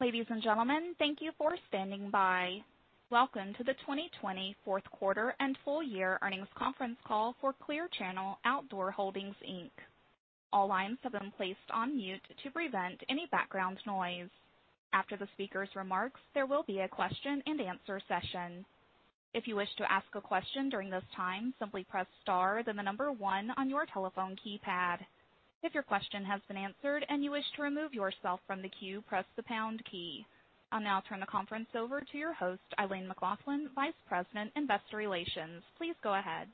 Ladies and gentlemen, thank you for standing by. Welcome to the 2020 fourth quarter and full year earnings conference call for Clear Channel Outdoor Holdings, Inc. All lines have been placed on mute to prevent any background noise. After the speaker's remarks, there will be a question and answer session. If you wish to ask a question during this time, simply press star, then the number one on your telephone keypad. If your question has been answered and you wish to remove yourself from the queue, press the pound key. I'll now turn the conference over to your host, Eileen McLaughlin, Vice President, Investor Relations. Please go ahead.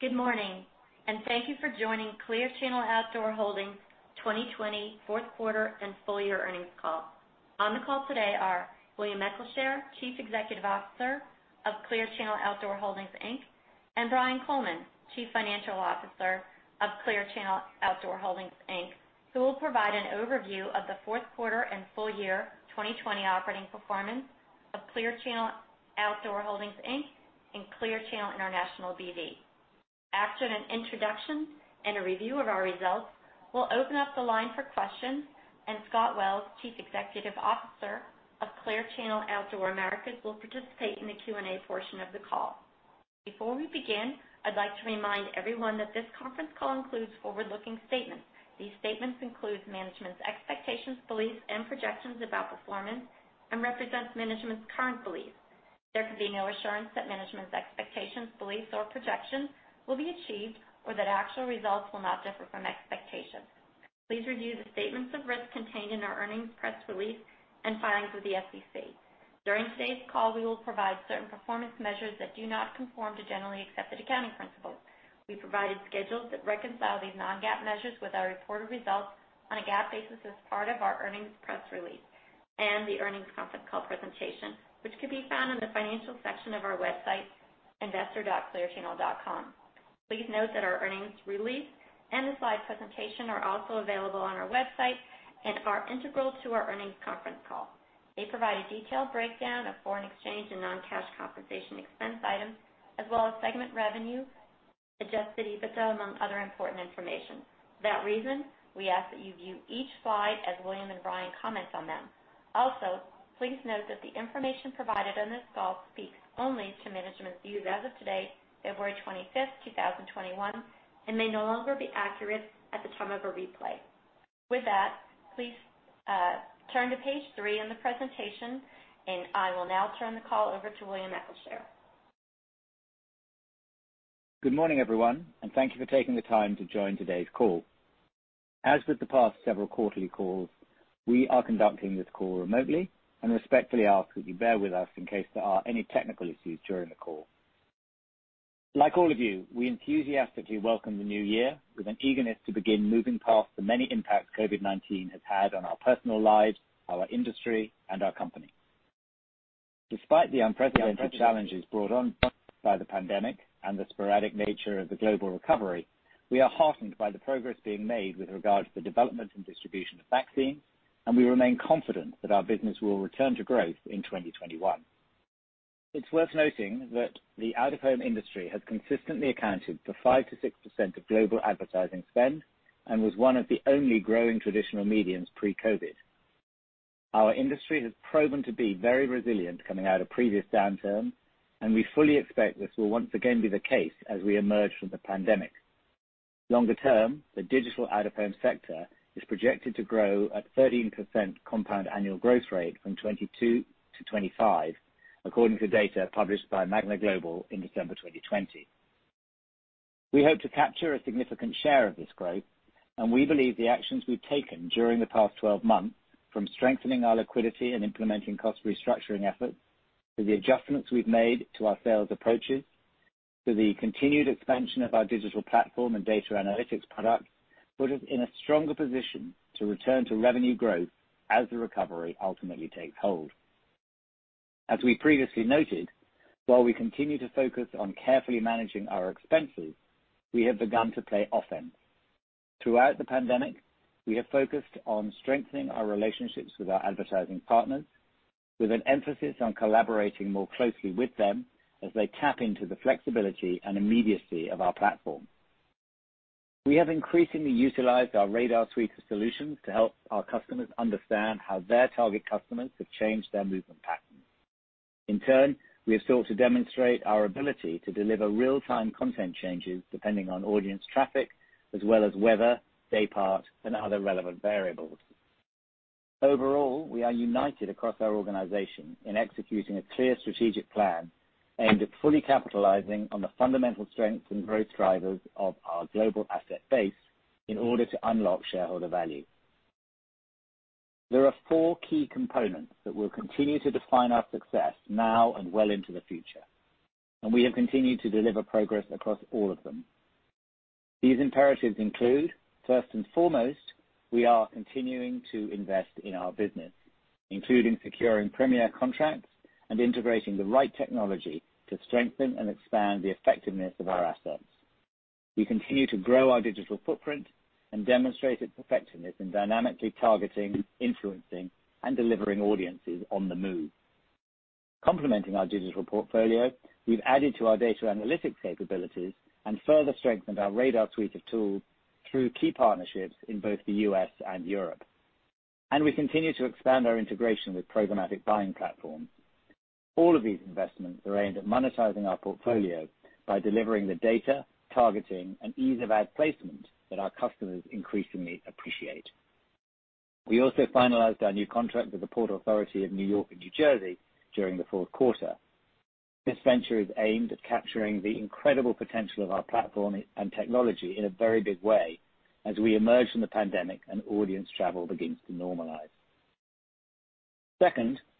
Good morning, and thank you for joining Clear Channel Outdoor Holdings 2020 fourth quarter and full year earnings call. On the call today are William Eccleshare, Chief Executive Officer of Clear Channel Outdoor Holdings, Inc., and Brian Coleman, Chief Financial Officer of Clear Channel Outdoor Holdings, Inc., who will provide an overview of the fourth quarter and full year 2020 operating performance of Clear Channel Outdoor Holdings, Inc. and Clear Channel International B.V. After an introduction and a review of our results, we'll open up the line for questions, and Scott Wells, Chief Executive Officer of Clear Channel Outdoor Americas, will participate in the Q&A portion of the call. Before we begin, I'd like to remind everyone that this conference call includes forward-looking statements. These statements include management's expectations, beliefs, and projections about performance and represents management's current beliefs. There can be no assurance that management's expectations, beliefs, or projections will be achieved or that actual results will not differ from expectations. Please review the statements of risk contained in our earnings press release and filings with the SEC. During today's call, we will provide certain performance measures that do not conform to generally accepted accounting principles. We provided schedules that reconcile these non-GAAP measures with our reported results on a GAAP basis as part of our earnings press release and the earnings conference call presentation, which could be found in the financial section of our website, investor.clearchannel.com. Please note that our earnings release and the slide presentation are also available on our website and are integral to our earnings conference call. They provide a detailed breakdown of foreign exchange and non-cash compensation expense items, as well as segment revenue, adjusted EBITDA, among other important information. For that reason, we ask that you view each slide as William and Brian comment on them. Also, please note that the information provided on this call speaks only to management's views as of today, February 25th, 2021, and may no longer be accurate at the time of a replay. With that, please turn to page three in the presentation, and I will now turn the call over to William Eccleshare. Good morning, everyone, and thank you for taking the time to join today's call. As with the past several quarterly calls, we are conducting this call remotely and respectfully ask that you bear with us in case there are any technical issues during the call. Like all of you, we enthusiastically welcome the new year with an eagerness to begin moving past the many impacts COVID-19 has had on our personal lives, our industry, and our company. Despite the unprecedented challenges brought on by the pandemic and the sporadic nature of the global recovery, we are heartened by the progress being made with regard to the development and distribution of vaccines, and we remain confident that our business will return to growth in 2021. It's worth noting that the out-of-home industry has consistently accounted for 5%-6% of global advertising spend and was one of the only growing traditional mediums pre-COVID. Our industry has proven to be very resilient coming out of previous downturns, and we fully expect this will once again be the case as we emerge from the pandemic. Longer term, the digital out-of-home sector is projected to grow at 13% compound annual growth rate from 2022 to 2025, according to data published by MAGNA Global in December 2020. We hope to capture a significant share of this growth. We believe the actions we've taken during the past 12 months, from strengthening our liquidity and implementing cost restructuring efforts to the adjustments we've made to our sales approaches to the continued expansion of our digital platform and data analytics product, put us in a stronger position to return to revenue growth as the recovery ultimately takes hold. As we previously noted, while we continue to focus on carefully managing our expenses, we have begun to play offense. Throughout the pandemic, we have focused on strengthening our relationships with our advertising partners with an emphasis on collaborating more closely with them as they tap into the flexibility and immediacy of our platform. We have increasingly utilized our RADAR suite of solutions to help our customers understand how their target customers have changed their movement patterns. In turn, we have sought to demonstrate our ability to deliver real-time content changes depending on audience traffic as well as weather, daypart, and other relevant variables. Overall, we are united across our organization in executing a clear strategic plan aimed at fully capitalizing on the fundamental strengths and growth drivers of our global asset base in order to unlock shareholder value. There are four key components that will continue to define our success now and well into the future, and we have continued to deliver progress across all of them. These imperatives include, first and foremost, we are continuing to invest in our business, including securing premier contracts and integrating the right technology to strengthen and expand the effectiveness of our assets. We continue to grow our digital footprint and demonstrate its effectiveness in dynamically targeting, influencing, and delivering audiences on the move. Complementing our digital portfolio, we've added to our data analytics capabilities and further strengthened our RADAR suite of tools through key partnerships in both the U.S. and Europe. We continue to expand our integration with programmatic buying platforms. All of these investments are aimed at monetizing our portfolio by delivering the data, targeting, and ease of ad placement that our customers increasingly appreciate. We also finalized our new contract with the Port Authority of New York and New Jersey during the fourth quarter. This venture is aimed at capturing the incredible potential of our platform and technology in a very big way as we emerge from the pandemic and audience travel begins to normalize.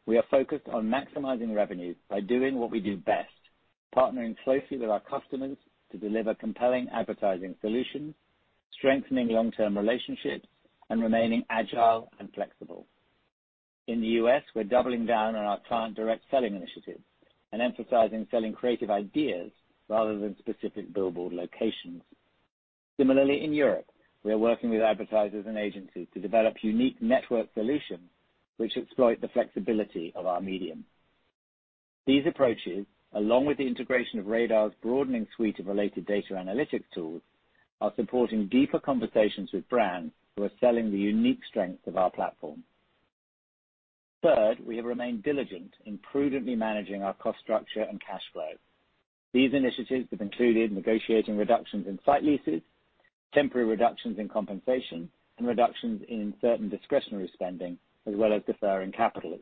We are focused on maximizing revenue by doing what we do best, partnering closely with our customers to deliver compelling advertising solutions, strengthening long-term relationships, and remaining agile and flexible. In the U.S., we're doubling down on our client direct selling initiatives and emphasizing selling creative ideas rather than specific billboard locations. In Europe, we are working with advertisers and agencies to develop unique network solutions which exploit the flexibility of our medium. These approaches, along with the integration of RADAR's broadening suite of related data analytics tools, are supporting deeper conversations with brands who are selling the unique strengths of our platform. We have remained diligent in prudently managing our cost structure and cash flow. These initiatives have included negotiating reductions in site leases, temporary reductions in compensation, and reductions in certain discretionary spending, as well as deferring CapEx.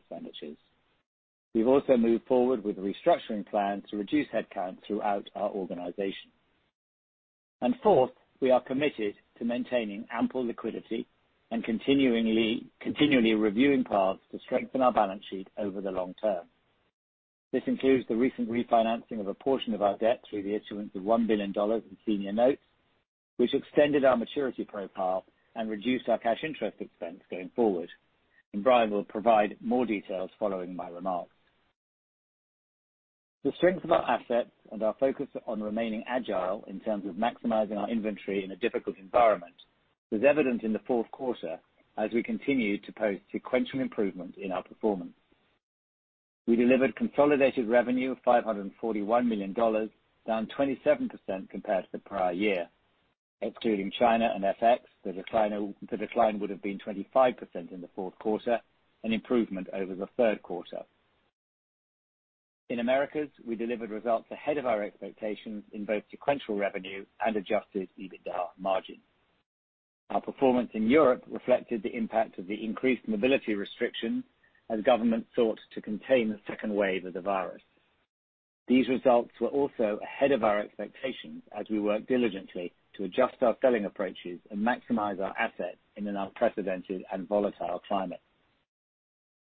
We've also moved forward with restructuring clients to reduce headcounts throughout our organizations. Fourth, we are committed to maintaining ample liquidity and continually reviewing paths to strengthen our balance sheet over the long term. This includes the recent refinancing of a portion of our debt through the issuance of $1 billion in senior notes, which extended our maturity profile and reduced our cash interest expense going forward. Brian will provide more details following my remarks. The strength of our assets and our focus on remaining agile in terms of maximizing our inventory in a difficult environment was evident in the fourth quarter as we continued to post sequential improvement in our performance. We delivered consolidated revenue of $541 million, down 27% compared to the prior year. Excluding China and FX, the decline would have been 25% in the fourth quarter, an improvement over the third quarter. In Americas, we delivered results ahead of our expectations in both sequential revenue and adjusted EBITDA margins. Our performance in Europe reflected the impact of the increased mobility restrictions as governments sought to contain the second wave of the virus. These results were also ahead of our expectations as we worked diligently to adjust our selling approaches and maximize our assets in an unprecedented and volatile climate.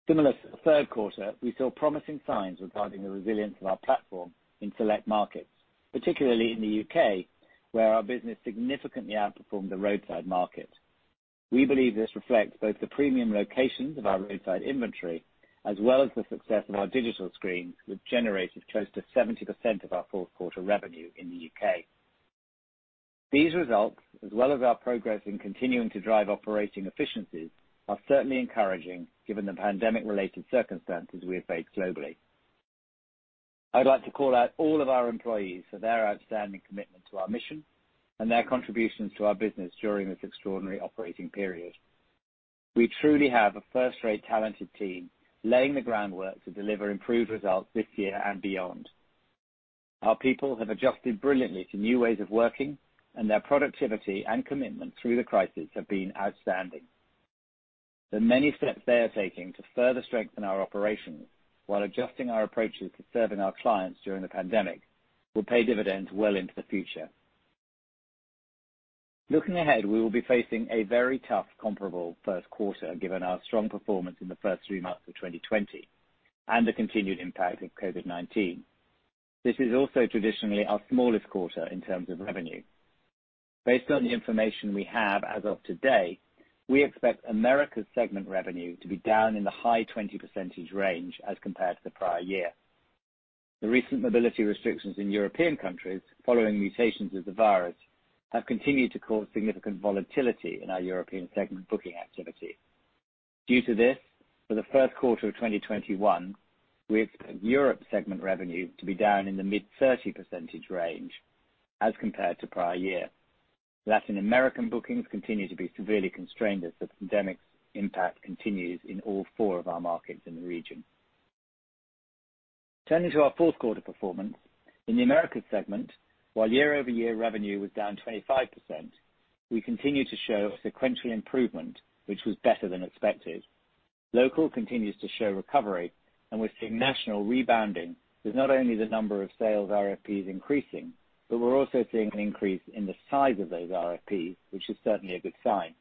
Similar to the third quarter, we saw promising signs regarding the resilience of our platform in select markets, particularly in the U.K., where our business significantly outperformed the roadside market. We believe this reflects both the premium locations of our roadside inventory, as well as the success of our digital screens, which generated close to 70% of our fourth quarter revenue in the U.K. These results, as well as our progress in continuing to drive operating efficiencies, are certainly encouraging given the pandemic-related circumstances we have faced globally. I'd like to call out all of our employees for their outstanding commitment to our mission and their contributions to our business during this extraordinary operating period. We truly have a first-rate talented team laying the groundwork to deliver improved results this year and beyond. Our people have adjusted brilliantly to new ways of working, and their productivity and commitment through the crisis have been outstanding. The many steps they are taking to further strengthen our operations while adjusting our approaches to serving our clients during the pandemic will pay dividends well into the future. Looking ahead, we will be facing a very tough comparable first quarter, given our strong performance in the first three months of 2020 and the continued impact of COVID-19. This is also traditionally our smallest quarter in terms of revenue. Based on the information we have as of today, we expect Americas segment revenue to be down in the high 20% range as compared to the prior year. The recent mobility restrictions in European countries following mutations of the virus have continued to cause significant volatility in our Europe segment booking activity. Due to this, for the first quarter of 2021, we expect Europe segment revenue to be down in the mid 30% range as compared to prior year. Latin American bookings continue to be severely constrained as the pandemic's impact continues in all four of our markets in the region. Turning to our fourth quarter performance. In the Americas segment, while year-over-year revenue was down 25%, we continued to show sequential improvement, which was better than expected. Local continues to show recovery, we're seeing national rebounding with not only the number of sales RFPs increasing, but we're also seeing an increase in the size of those RFPs, which is certainly a good sign.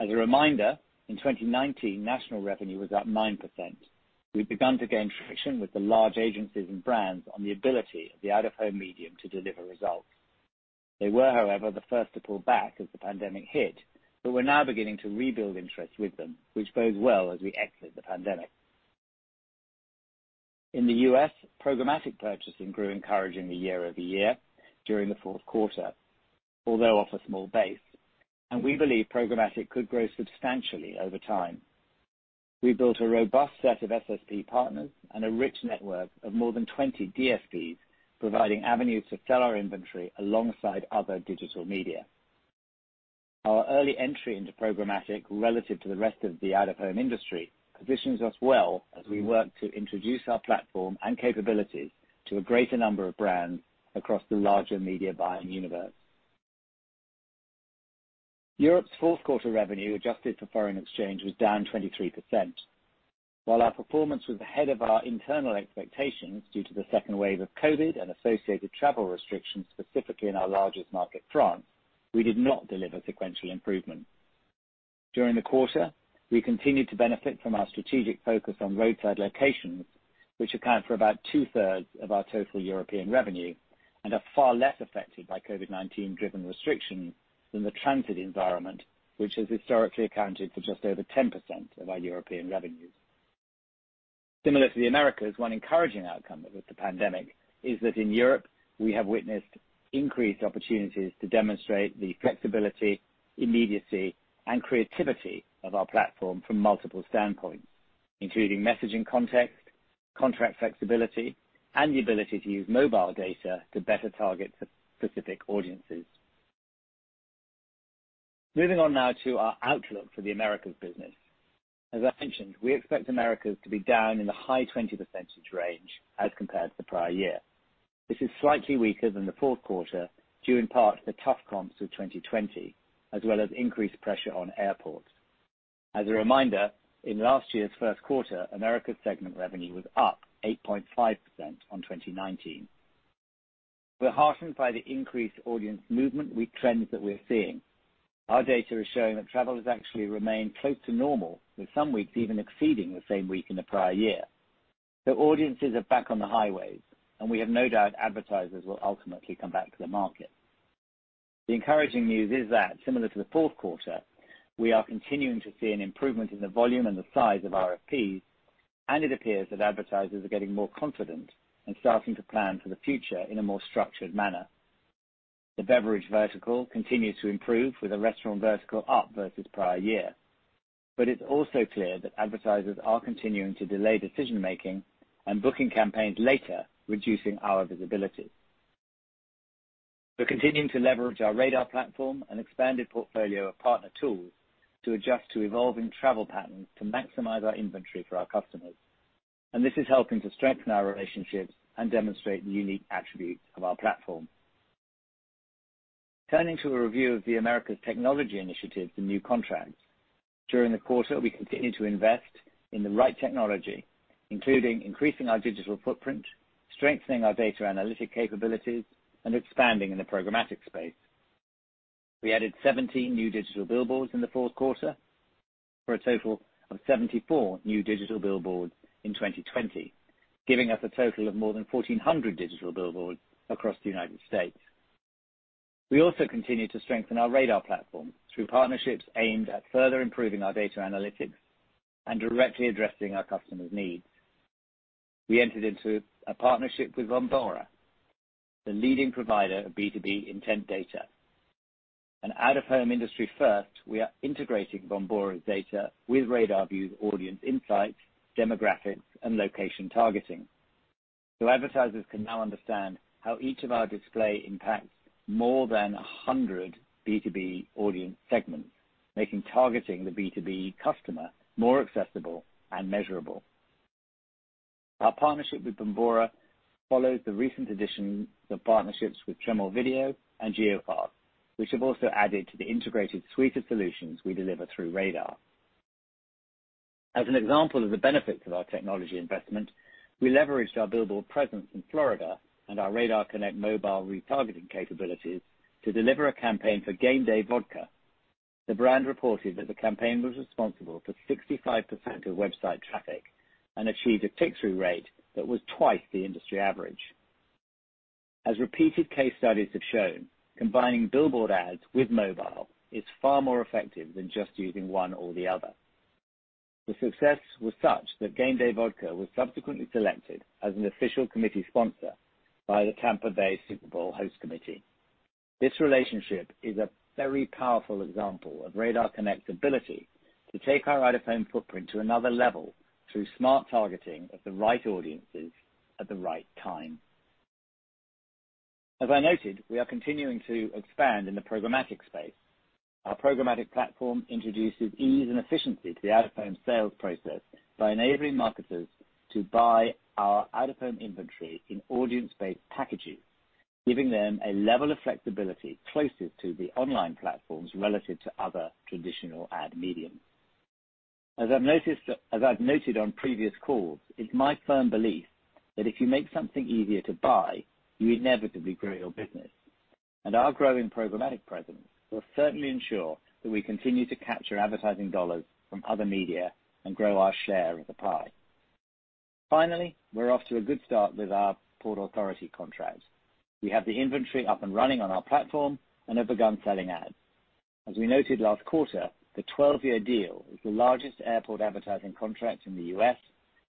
As a reminder, in 2019, national revenue was up 9%. We've begun to gain traction with the large agencies and brands on the ability of the out-of-home medium to deliver results. They were, however, the first to pull back as the pandemic hit, we're now beginning to rebuild interest with them, which bodes well as we exit the pandemic. In the U.S., programmatic purchasing grew encouragingly year-over-year during the fourth quarter, although off a small base. We believe programmatic could grow substantially over time. We've built a robust set of SSP partners and a rich network of more than 20 DSPs, providing avenues to sell our inventory alongside other digital media. Our early entry into programmatic relative to the rest of the out-of-home industry positions us well as we work to introduce our platform and capabilities to a greater number of brands across the larger media buying universe. Europe's fourth quarter revenue, adjusted for foreign exchange, was down 23%. While our performance was ahead of our internal expectations due to the second wave of COVID and associated travel restrictions, specifically in our largest market, France, we did not deliver sequential improvement. During the quarter, we continued to benefit from our strategic focus on roadside locations, which account for about 2/3 of our total European revenue and are far less affected by COVID-19 driven restrictions than the transit environment, which has historically accounted for just over 10% of our European revenues. Similar to the Americas, one encouraging outcome of the pandemic is that in Europe, we have witnessed increased opportunities to demonstrate the flexibility, immediacy, and creativity of our platform from multiple standpoints, including messaging context, contract flexibility, and the ability to use mobile data to better target specific audiences. Moving on now to our outlook for the Americas business. As I mentioned, we expect Americas to be down in the high 20% range as compared to prior year. This is slightly weaker than the fourth quarter, due in part to the tough comps of 2020, as well as increased pressure on airports. As a reminder, in last year's first quarter, Americas segment revenue was up 8.5% on 2019. We're heartened by the increased audience movement week trends that we're seeing. Our data is showing that travel has actually remained close to normal, with some weeks even exceeding the same week in the prior year. Audiences are back on the highways, and we have no doubt advertisers will ultimately come back to the market. The encouraging news is that similar to the fourth quarter, we are continuing to see an improvement in the volume and the size of RFPs, and it appears that advertisers are getting more confident and starting to plan for the future in a more structured manner. The beverage vertical continues to improve with the restaurant vertical up versus prior year. It's also clear that advertisers are continuing to delay decision making and booking campaigns later, reducing our visibility. We're continuing to leverage our RADAR platform and expanded portfolio of partner tools to adjust to evolving travel patterns to maximize our inventory for our customers. This is helping to strengthen our relationships and demonstrate the unique attributes of our platform. Turning to a review of the Americas technology initiatives and new contracts. During the quarter, we continued to invest in the right technology, including increasing our digital footprint, strengthening our data analytic capabilities, and expanding in the programmatic space. We added 17 new digital billboards in the fourth quarter, for a total of 74 new digital billboards in 2020, giving us a total of more than 1,400 digital billboards across the U.S. We also continued to strengthen our RADAR platform through partnerships aimed at further improving our data analytics and directly addressing our customers' needs. We entered into a partnership with Bombora, the leading provider of B2B intent data. An out-of-home industry first, we are integrating Bombora's data with RADARView's audience insights, demographics, and location targeting. Advertisers can now understand how each of our display impacts more than 100 B2B audience segments, making targeting the B2B customer more accessible and measurable. Our partnership with Bombora follows the recent addition to partnerships with Tremor Video and Geopath, which have also added to the integrated suite of solutions we deliver through RADAR. As an example of the benefits of our technology investment, we leveraged our billboard presence in Florida and our RADARConnect mobile retargeting capabilities to deliver a campaign for GameDay Vodka. The brand reported that the campaign was responsible for 65% of website traffic and achieved a click-through rate that was twice the industry average. As repeated case studies have shown, combining billboard ads with mobile is far more effective than just using one or the other. The success was such that GameDay Vodka was subsequently selected as an official committee sponsor by the Tampa Bay Super Bowl Host Committee. This relationship is a very powerful example of RADARConnect's ability to take our out-of-home footprint to another level through smart targeting of the right audiences at the right time. As I noted, we are continuing to expand in the programmatic space. Our programmatic platform introduces ease and efficiency to the out-of-home sales process by enabling marketers to buy our out-of-home inventory in audience-based packaging, giving them a level of flexibility closest to the online platforms relative to other traditional ad mediums. As I've noted on previous calls, it's my firm belief that if you make something easier to buy, you inevitably grow your business. Our growing programmatic presence will certainly ensure that we continue to capture advertising dollars from other media and grow our share of the pie. Finally, we're off to a good start with our Port Authority contract. We have the inventory up and running on our platform and have begun selling ads. As we noted last quarter, the 12-year deal is the largest airport advertising contract in the U.S.,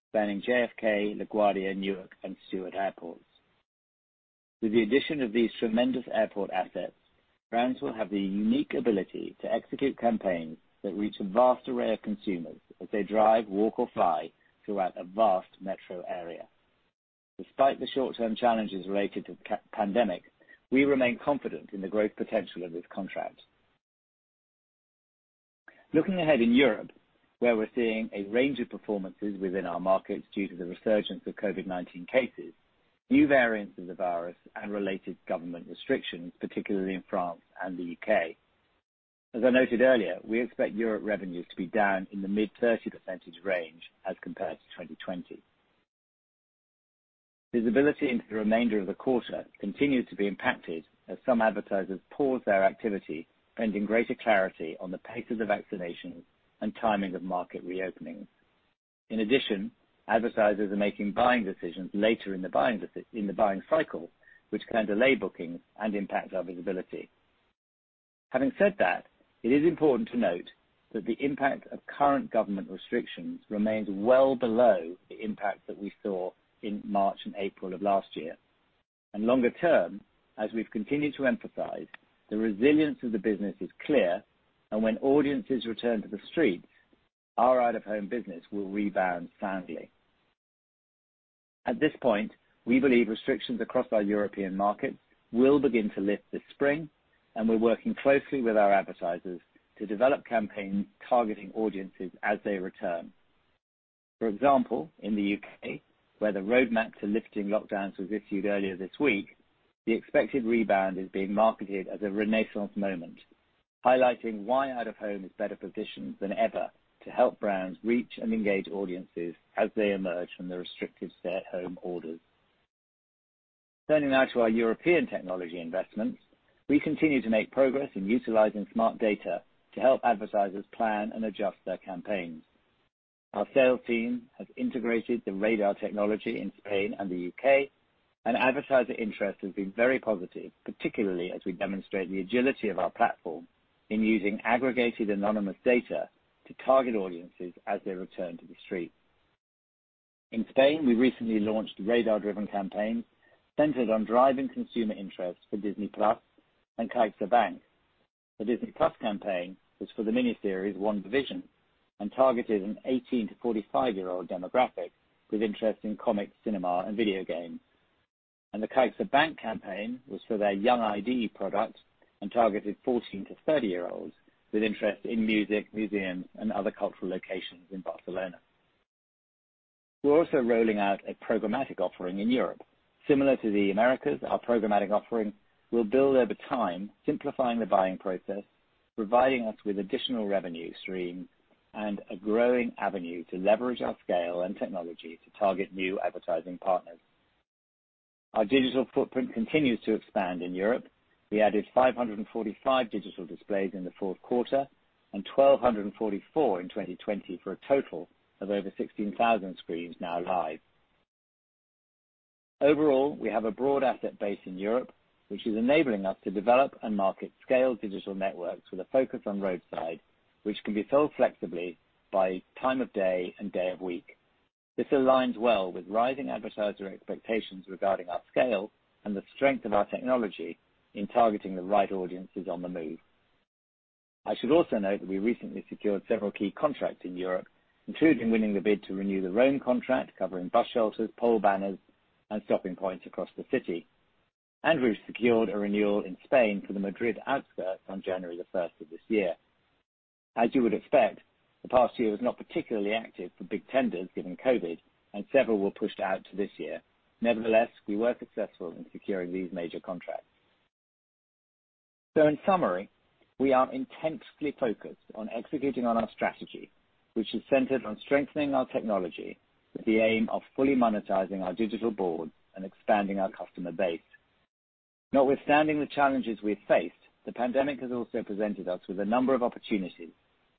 spanning J.F.K, LaGuardia, Newark, and Stewart airports. With the addition of these tremendous airport assets, brands will have the unique ability to execute campaigns that reach a vast array of consumers as they drive, walk, or fly throughout a vast metro area. Despite the short-term challenges related to the pandemic, we remain confident in the growth potential of this contract. Looking ahead in Europe, where we're seeing a range of performances within our markets due to the resurgence of COVID-19 cases, new variants of the virus, and related government restrictions, particularly in France and the U.K. As I noted earlier, we expect Europe revenues to be down in the mid 30% range as compared to 2020. Visibility into the remainder of the quarter continues to be impacted as some advertisers pause their activity, pending greater clarity on the pace of the vaccinations and timing of market reopenings. In addition, advertisers are making buying decisions later in the buying cycle, which can delay bookings and impact our visibility. Having said that, it is important to note that the impact of current government restrictions remains well below the impact that we saw in March and April of last year. Longer term, as we've continued to emphasize, the resilience of the business is clear, and when audiences return to the streets, our out-of-home business will rebound soundly. At this point, we believe restrictions across our European markets will begin to lift this spring, and we're working closely with our advertisers to develop campaigns targeting audiences as they return. For example, in the U.K., where the roadmap to lifting lockdowns was issued earlier this week, the expected rebound is being marketed as a renaissance moment, highlighting why out-of-home is better positioned than ever to help brands reach and engage audiences as they emerge from the restrictive stay-at-home orders. Turning now to our European technology investments. We continue to make progress in utilizing smart data to help advertisers plan and adjust their campaigns. Our sales team has integrated the RADAR technology in Spain and the U.K., and advertiser interest has been very positive, particularly as we demonstrate the agility of our platform in using aggregated anonymous data to target audiences as they return to the street. In Spain, we recently launched RADAR-driven campaigns centered on driving consumer interest for Disney+ and CaixaBank. The Disney+ campaign was for the miniseries, WandaVision, targeted an 18- to 45-year-old demographic with interest in comics, cinema, and video games. The CaixaBank campaign was for their Youth Card product and targeted 14- to 30-year-olds with interest in music, museums, and other cultural locations in Barcelona. We're also rolling out a programmatic offering in Europe. Similar to the Americas, our programmatic offering will build over time, simplifying the buying process, providing us with additional revenue streams, and a growing avenue to leverage our scale and technology to target new advertising partners. Our digital footprint continues to expand in Europe. We added 545 digital displays in the fourth quarter, and 1,244 in 2020, for a total of over 16,000 screens now live. Overall, we have a broad asset base in Europe, which is enabling us to develop and market scale digital networks with a focus on roadside, which can be sold flexibly by time of day and day of week. This aligns well with rising advertiser expectations regarding our scale and the strength of our technology in targeting the right audiences on the move. I should also note that we recently secured several key contracts in Europe, including winning the bid to renew the Rome contract, covering bus shelters, pole banners, and stopping points across the city. We've secured a renewal in Spain for the Madrid outskirts on January 1st of this year. As you would expect, the past year was not particularly active for big tenders given COVID-19, and several were pushed out to this year. Nevertheless, we were successful in securing these major contracts. In summary, we are intensely focused on executing on our strategy, which is centered on strengthening our technology with the aim of fully monetizing our digital board and expanding our customer base. Notwithstanding the challenges we have faced, the pandemic has also presented us with a number of opportunities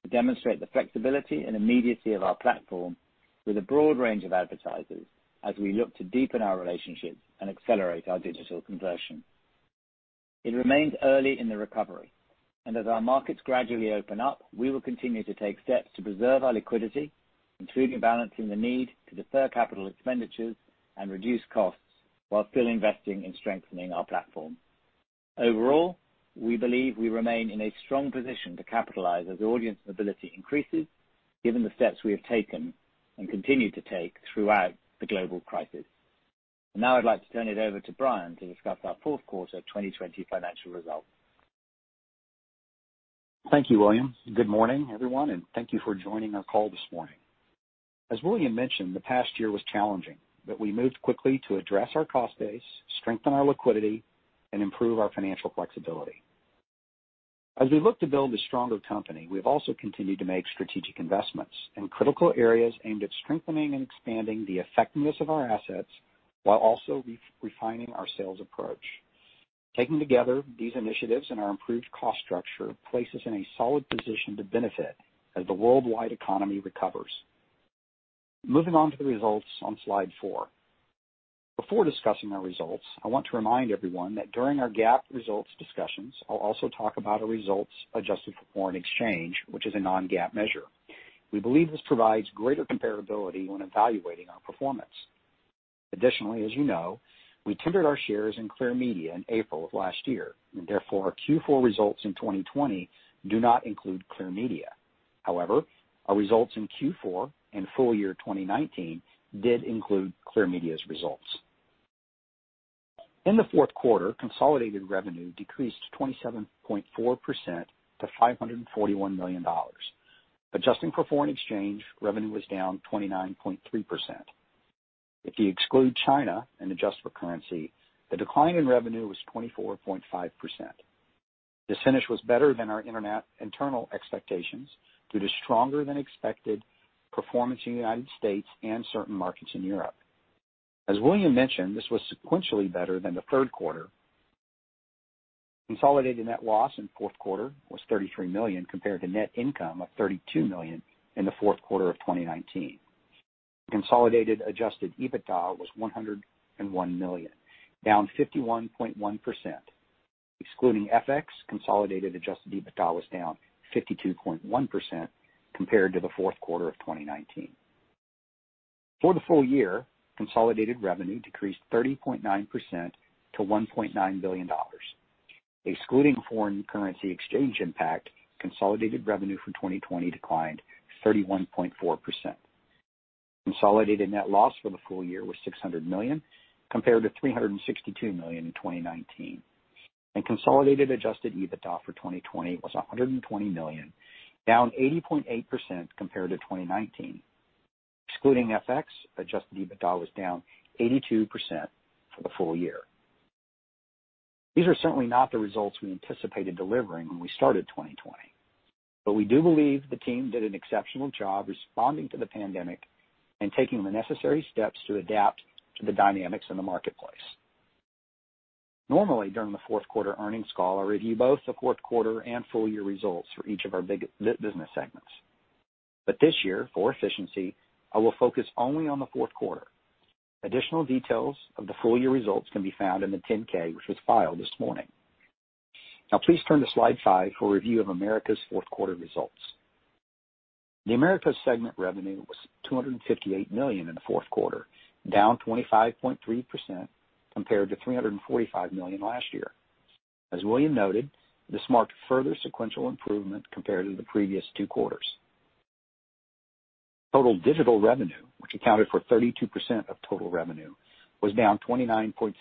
to demonstrate the flexibility and immediacy of our platform with a broad range of advertisers as we look to deepen our relationships and accelerate our digital conversion. It remains early in the recovery, and as our markets gradually open up, we will continue to take steps to preserve our liquidity, including balancing the need to defer capital expenditures and reduce costs while still investing in strengthening our platform. Overall, we believe we remain in a strong position to capitalize as audience mobility increases, given the steps we have taken and continue to take throughout the global crisis. Now I'd like to turn it over to Brian to discuss our fourth quarter 2020 financial results. Thank you, William. Good morning, everyone, and thank you for joining our call this morning. As William mentioned, the past year was challenging, but we moved quickly to address our cost base, strengthen our liquidity, and improve our financial flexibility. As we look to build a stronger company, we've also continued to make strategic investments in critical areas aimed at strengthening and expanding the effectiveness of our assets while also refining our sales approach. Taken together, these initiatives and our improved cost structure place us in a solid position to benefit as the worldwide economy recovers. Moving on to the results on slide four. Before discussing our results, I want to remind everyone that during our GAAP results discussions, I'll also talk about our results adjusted for foreign exchange, which is a non-GAAP measure. We believe this provides greater comparability when evaluating our performance. Additionally, as you know, we tendered our shares in Clear Media in April of last year, and therefore our Q4 results in 2020 do not include Clear Media. However, our results in Q4 and full year 2019 did include Clear Media's results. In the fourth quarter, consolidated revenue decreased 27.4% to $541 million. Adjusting for foreign exchange, revenue was down 29.3%. If you exclude China and adjust for currency, the decline in revenue was 24.5%. This finish was better than our internal expectations due to stronger than expected performance in the United States and certain markets in Europe. As William mentioned, this was sequentially better than the third quarter. Consolidated net loss in the fourth quarter was $33 million compared to net income of $32 million in the fourth quarter of 2019. Consolidated adjusted EBITDA was $101 million, down 51.1%. Excluding FX, consolidated adjusted EBITDA was down 52.1% compared to the fourth quarter of 2019. For the full year, consolidated revenue decreased 30.9% to $1.9 billion. Excluding foreign currency exchange impact, consolidated revenue from 2020 declined 31.4%. Consolidated net loss for the full year was $600 million, compared to $362 million in 2019. Consolidated adjusted EBITDA for 2020 was $120 million, down 80.8% compared to 2019. Excluding FX, adjusted EBITDA was down 82% for the full year. These are certainly not the results we anticipated delivering when we started 2020, but we do believe the team did an exceptional job responding to the pandemic and taking the necessary steps to adapt to the dynamics in the marketplace. Normally, during the fourth quarter earnings call, I review both the fourth quarter and full year results for each of our big business segments. This year, for efficiency, I will focus only on the fourth quarter. Additional details of the full year results can be found in the 10-K which was filed this morning. Please turn to slide five for a review of Americas fourth quarter results. The Americas segment revenue was $258 million in the fourth quarter, down 25.3% compared to $345 million last year. As William noted, this marked further sequential improvement compared to the previous two quarters. Total digital revenue, which accounted for 32% of total revenue, was down 29.6%.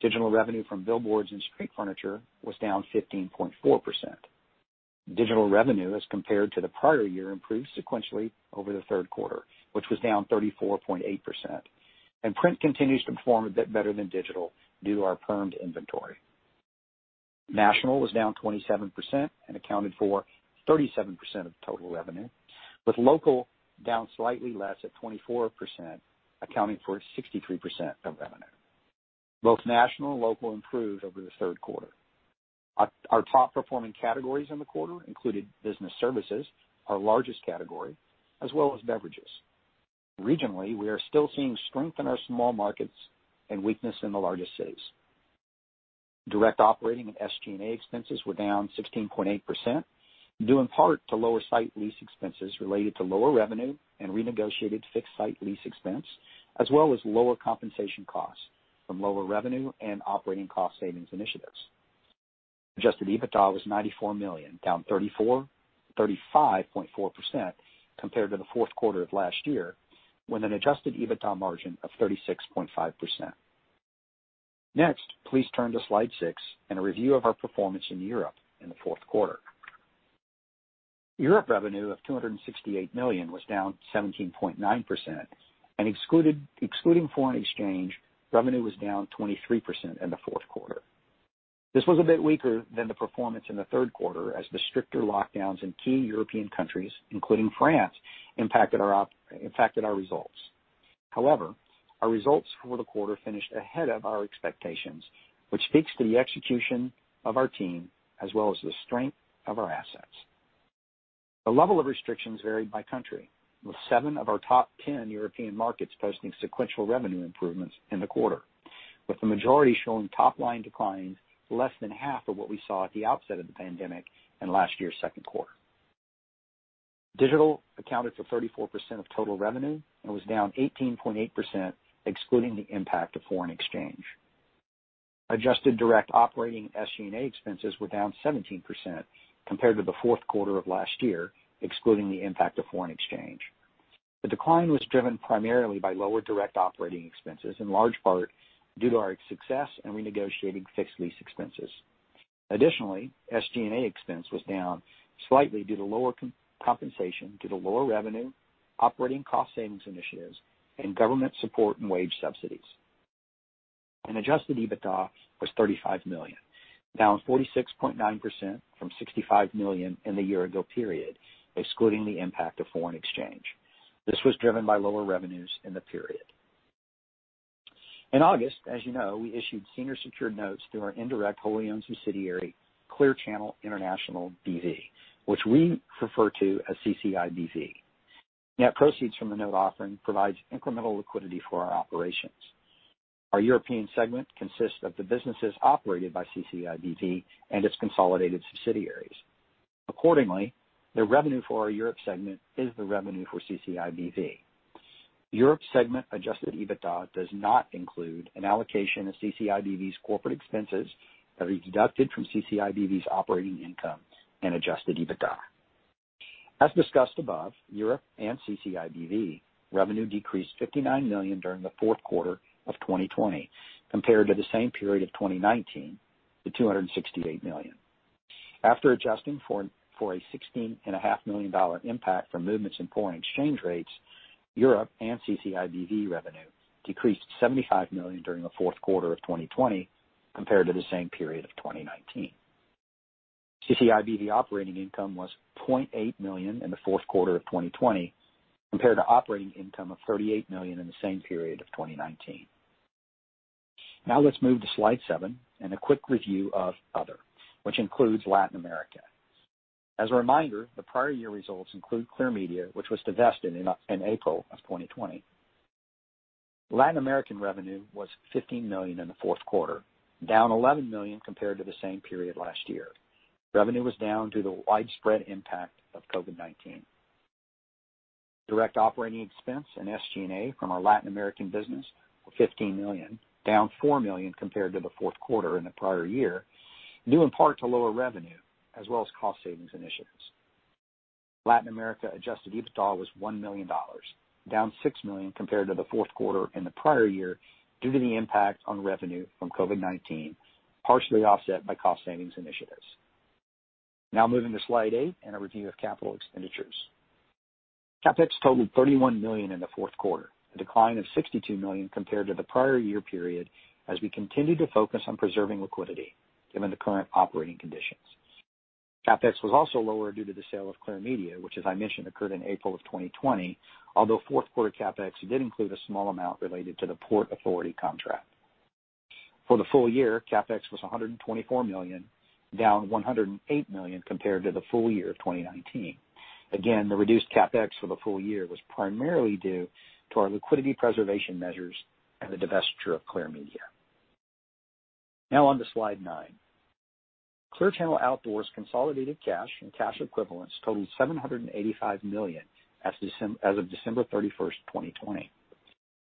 Digital revenue from billboards and street furniture was down 15.4%. Digital revenue as compared to the prior year improved sequentially over the third quarter, which was down 34.8%. Print continues to perform a bit better than digital due to our permanent inventory. National was down 27% and accounted for 37% of total revenue, with local down slightly less at 24%, accounting for 63% of revenue. Both national and local improved over the third quarter. Our top performing categories in the quarter included business services, our largest category, as well as beverages. Regionally, we are still seeing strength in our small markets and weakness in the largest cities. Direct operating and SG&A expenses were down 16.8%, due in part to lower site lease expenses related to lower revenue and renegotiated fixed site lease expense, as well as lower compensation costs from lower revenue and operating cost savings initiatives. Adjusted EBITDA was $94 million, down 35.4% compared to the fourth quarter of last year, with an adjusted EBITDA margin of 36.5%. Next, please turn to slide six and a review of our performance in Europe in the fourth quarter. Europe revenue of $268 million was down 17.9%, and excluding foreign exchange, revenue was down 23% in the fourth quarter. This was a bit weaker than the performance in the third quarter as the stricter lockdowns in key European countries, including France, impacted our results. However, our results for the quarter finished ahead of our expectations, which speaks to the execution of our team as well as the strength of our assets. The level of restrictions varied by country, with seven of our top 10 European markets posting sequential revenue improvements in the quarter, with the majority showing top line declines less than half of what we saw at the outset of the pandemic in last year's second quarter. Digital accounted for 34% of total revenue and was down 18.8% excluding the impact of foreign exchange. Adjusted direct operating SG&A expenses were down 17% compared to the fourth quarter of last year, excluding the impact of foreign exchange. The decline was driven primarily by lower direct operating expenses, in large part due to our success in renegotiating fixed lease expenses. SG&A expense was down slightly due to lower compensation due to lower revenue, operating cost savings initiatives, and government support and wage subsidies. Adjusted EBITDA was $35 million, down 46.9% from $65 million in the year ago period, excluding the impact of foreign exchange. This was driven by lower revenues in the period. In August, as you know, we issued senior secured notes through our indirect wholly-owned subsidiary, Clear Channel International B.V., which we refer to as CCIBV. Net proceeds from the note offering provides incremental liquidity for our operations. Our European segment consists of the businesses operated by CCIBV and its consolidated subsidiaries. Accordingly, the revenue for our Europe segment is the revenue for CCIBV. Europe segment adjusted EBITDA does not include an allocation of CCIBV's corporate expenses that are deducted from CCIBV's operating income and adjusted EBITDA. As discussed above, Europe and CCIBV revenue decreased $59 million during the fourth quarter of 2020 compared to the same period of 2019 to $268 million. After adjusting for a $16.5 million impact from movements in foreign exchange rates, Europe and CCIBV revenue decreased $75 million during the fourth quarter of 2020 compared to the same period of 2019. CCIBV operating income was $0.8 million in the fourth quarter of 2020 compared to operating income of $38 million in the same period of 2019. Let's move to slide seven and a quick review of Other, which includes Latin America. As a reminder, the prior year results include Clear Media, which was divested in April of 2020. Latin American revenue was $15 million in the fourth quarter, down $11 million compared to the same period last year. Revenue was down due to the widespread impact of COVID-19. Direct operating expense and SG&A from our Latin American business were $15 million, down $4 million compared to the fourth quarter in the prior year, due in part to lower revenue as well as cost savings initiatives. Latin America adjusted EBITDA was $1 million, down $6 million compared to the fourth quarter in the prior year due to the impact on revenue from COVID-19, partially offset by cost savings initiatives. Moving to slide eight and a review of capital expenditures. CapEx totaled $31 million in the fourth quarter, a decline of $62 million compared to the prior year period as we continued to focus on preserving liquidity given the current operating conditions. CapEx was also lower due to the sale of Clear Media, which as I mentioned, occurred in April of 2020, although fourth quarter CapEx did include a small amount related to the Port Authority contract. For the full year, CapEx was $124 million, down $108 million compared to the full year of 2019. Again, the reduced CapEx for the full year was primarily due to our liquidity preservation measures and the divestiture of Clear Media. Now on to slide nine. Clear Channel Outdoor's consolidated cash and cash equivalents totaled $785 million as of December 31st, 2020.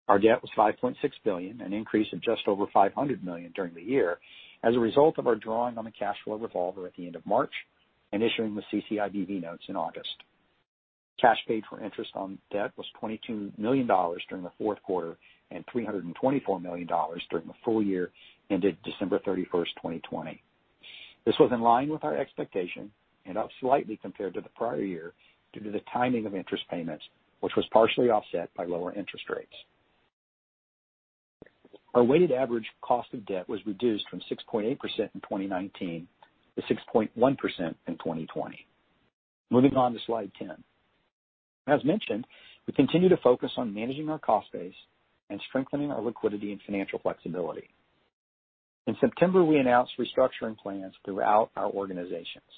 Our debt was $5.6 billion, an increase of just over $500 million during the year, as a result of our drawing on the cash flow revolver at the end of March and issuing the CCIBV notes in August. Cash paid for interest on debt was $22 million during the fourth quarter and $324 million during the full year ended December 31, 2020. This was in line with our expectation and up slightly compared to the prior year due to the timing of interest payments, which was partially offset by lower interest rates. Our weighted average cost of debt was reduced from 6.8% in 2019 to 6.1% in 2020. Moving on to slide 10. As mentioned, we continue to focus on managing our cost base and strengthening our liquidity and financial flexibility. In September, we announced restructuring plans throughout our organizations.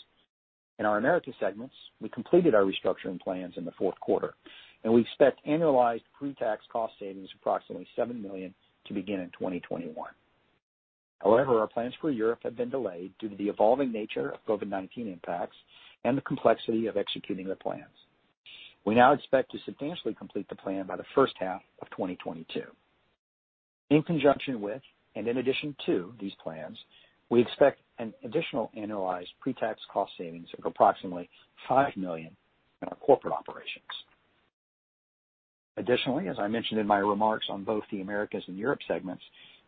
In our Americas segments, we completed our restructuring plans in the fourth quarter, and we expect annualized pre-tax cost savings of approximately $7 million to begin in 2021. Our plans for Europe have been delayed due to the evolving nature of COVID-19 impacts and the complexity of executing the plans. We now expect to substantially complete the plan by the first half of 2022. In conjunction with, and in addition to these plans, we expect an additional annualized pre-tax cost savings of approximately $5 million in our corporate operations. As I mentioned in my remarks on both the Americas and Europe segments,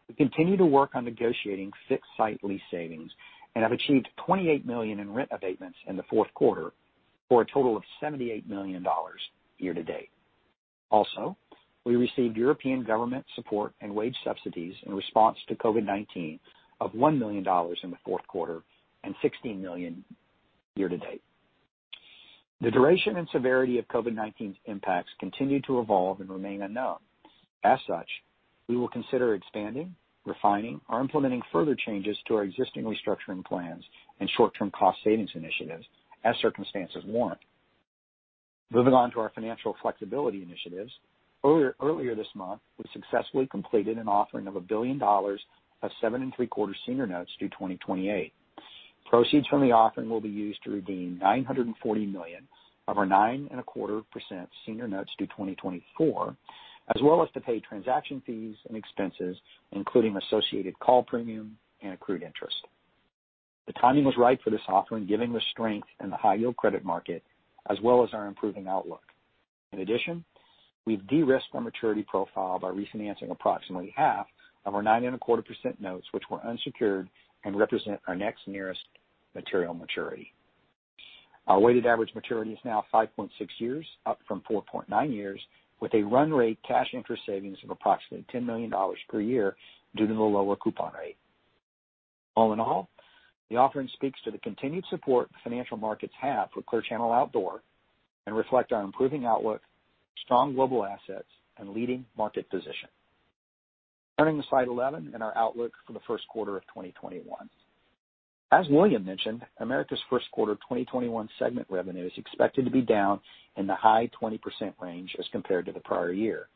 we continue to work on negotiating fixed site lease savings and have achieved $28 million in rent abatements in the fourth quarter for a total of $78 million year to date. Also, we received European government support and wage subsidies in response to COVID-19 of $1 million in the fourth quarter and $16 million year to date. The duration and severity of COVID-19's impacts continue to evolve and remain unknown. As such, we will consider expanding, refining, or implementing further changes to our existing restructuring plans and short-term cost savings initiatives as circumstances warrant. Moving on to our financial flexibility initiatives. Earlier this month, we successfully completed an offering of $1 billion of 7.75% senior notes due 2028. Proceeds from the offering will be used to redeem $940 million of our 9.25% senior notes due 2024, as well as to pay transaction fees and expenses, including associated call premium and accrued interest. The timing was right for this offering, given the strength in the high yield credit market as well as our improving outlook. In addition, we've de-risked our maturity profile by refinancing approximately half of our nine and a quarter % notes, which were unsecured and represent our next nearest material maturity. Our weighted average maturity is now five point six years, up from four point nine years, with a run rate cash interest savings of approximately $10 million per year due to the lower coupon rate. The offering speaks to the continued support financial markets have for Clear Channel Outdoor and reflect our improving outlook, strong global assets, and leading market position. Turning to slide 11 and our outlook for the first quarter of 2021. As William mentioned, Americas' first quarter 2021 segment revenue is expected to be down in the high 20% range as compared to the prior year.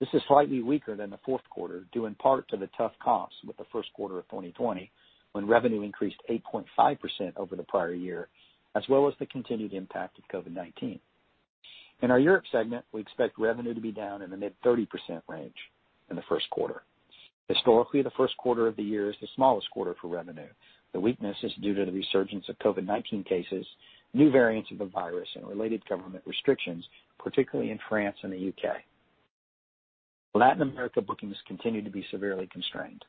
This is slightly weaker than the fourth quarter, due in part to the tough comps with the first quarter of 2020, when revenue increased 8.5% over the prior year, as well as the continued impact of COVID-19. In our Europe segment, we expect revenue to be down in the mid-30% range in the first quarter. Historically, the first quarter of the year is the smallest quarter for revenue. The weakness is due to the resurgence of COVID-19 cases, new variants of the virus, and related government restrictions, particularly in France and the U.K. Latin America bookings continue to be severely constrained.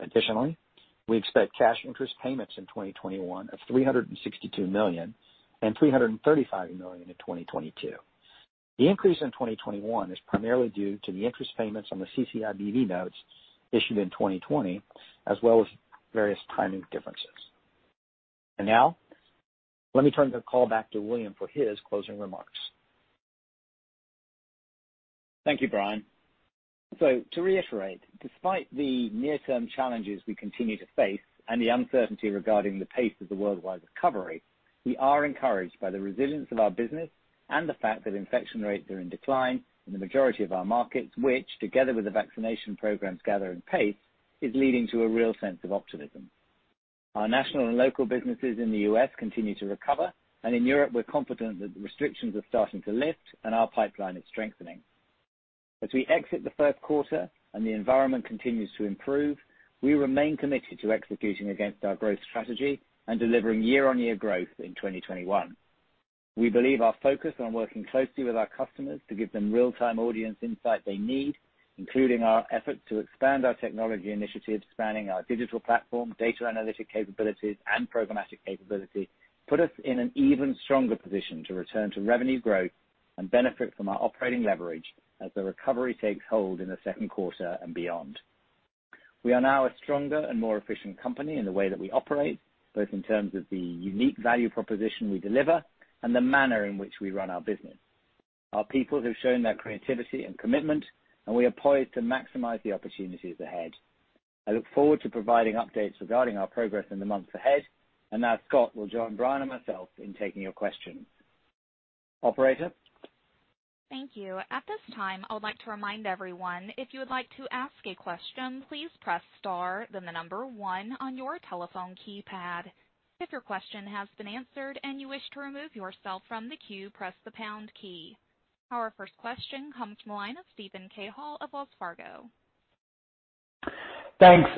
Additionally, we expect cash interest payments in 2021 of $362 million and $335 million in 2022. The increase in 2021 is primarily due to the interest payments on the CCIBV notes issued in 2020, as well as various timing differences. Now, let me turn the call back to William for his closing remarks. Thank you, Brian. To reiterate, despite the near-term challenges we continue to face and the uncertainty regarding the pace of the worldwide recovery, we are encouraged by the resilience of our business and the fact that infection rates are in decline in the majority of our markets, which, together with the vaccination programs gathering pace, is leading to a real sense of optimism. Our national and local businesses in the U.S. continue to recover, and in Europe, we're confident that the restrictions are starting to lift and our pipeline is strengthening. As we exit the first quarter and the environment continues to improve, we remain committed to executing against our growth strategy and delivering year-on-year growth in 2021. We believe our focus on working closely with our customers to give them real-time audience insight they need, including our efforts to expand our technology initiatives spanning our digital platform, data analytic capabilities, and programmatic capability, put us in an even stronger position to return to revenue growth and benefit from our operating leverage as the recovery takes hold in the second quarter and beyond. We are now a stronger and more efficient company in the way that we operate, both in terms of the unique value proposition we deliver and the manner in which we run our business. Our people have shown their creativity and commitment, we are poised to maximize the opportunities ahead. I look forward to providing updates regarding our progress in the months ahead. Now Scott will join Brian and myself in taking your questions. Operator? Thank you. At this time, I would like to remind everyone, if you would like to ask a question, please press star, then the number one on your telephone keypad. If your question has been answered and you wish to remove yourself from the queue, press the pound key. Our first question comes from the line of Steven Cahall of Wells Fargo. Thanks.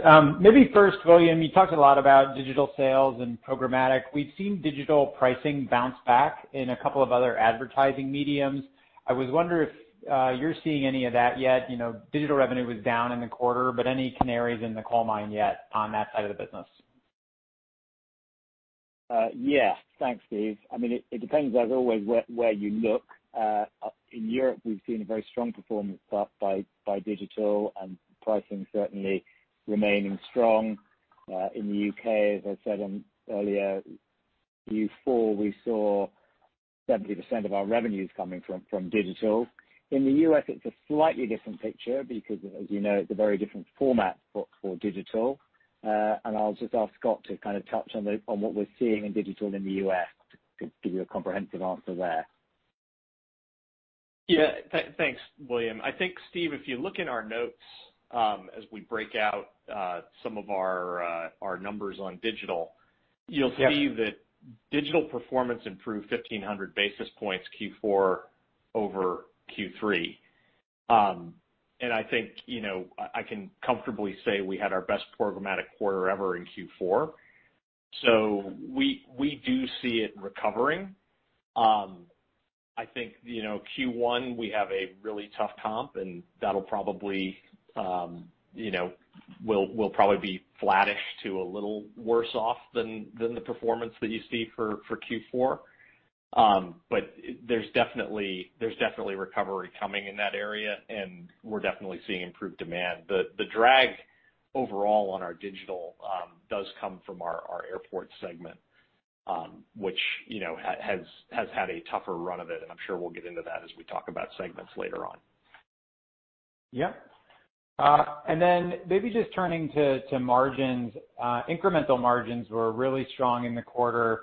Maybe first, William, you talked a lot about digital sales and programmatic. We've seen digital pricing bounce back in a couple of other advertising mediums. I was wondering if you're seeing any of that yet. Any canaries in the coal mine yet on that side of the business? Yeah. Thanks, Steven. It depends, as always, where you look. In Europe, we've seen a very strong performance by digital and pricing certainly remaining strong. In the U.K., as I said earlier, Q4, we saw 70% of our revenues coming from digital. In the U.S., it's a slightly different picture because, as you know, it's a very different format for digital. I'll just ask Scott to kind of touch on what we're seeing in digital in the U.S. to give you a comprehensive answer there. Yeah. Thanks, William. I think, Steven, if you look in our notes, as we break out some of our numbers on digital, you'll see that digital performance improved 1,500 basis points Q4 over Q3. I think I can comfortably say we had our best programmatic quarter ever in Q4. We do see it recovering. I think Q1, we have a really tough comp, and we'll probably be flattish to a little worse off than the performance that you see for Q4. There's definitely recovery coming in that area, and we're definitely seeing improved demand. The drag overall on our digital does come from our airport segment, which has had a tougher run of it, and I'm sure we'll get into that as we talk about segments later on. Yeah. Then maybe just turning to margins. Incremental margins were really strong in the quarter.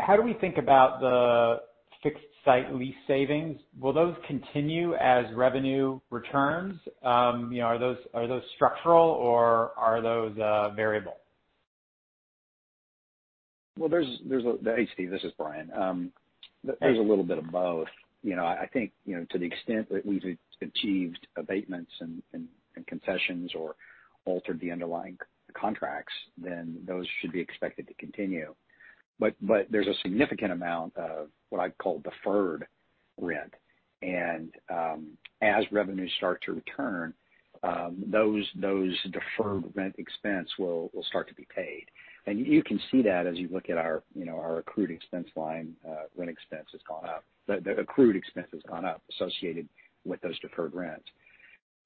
How do we think about the fixed site lease savings? Will those continue as revenue returns? Are those structural, or are those variable? Well, Hey, Steven, this is Brian. Hey. There's a little bit of both. I think to the extent that we've achieved abatements in concessions or altered the underlying contracts, then those should be expected to continue. There's a significant amount of what I'd call deferred rent, and as revenues start to return, those deferred rent expense will start to be paid. You can see that as you look at our accrued expense line, rent expense has gone up. The accrued expense has gone up associated with those deferred rents.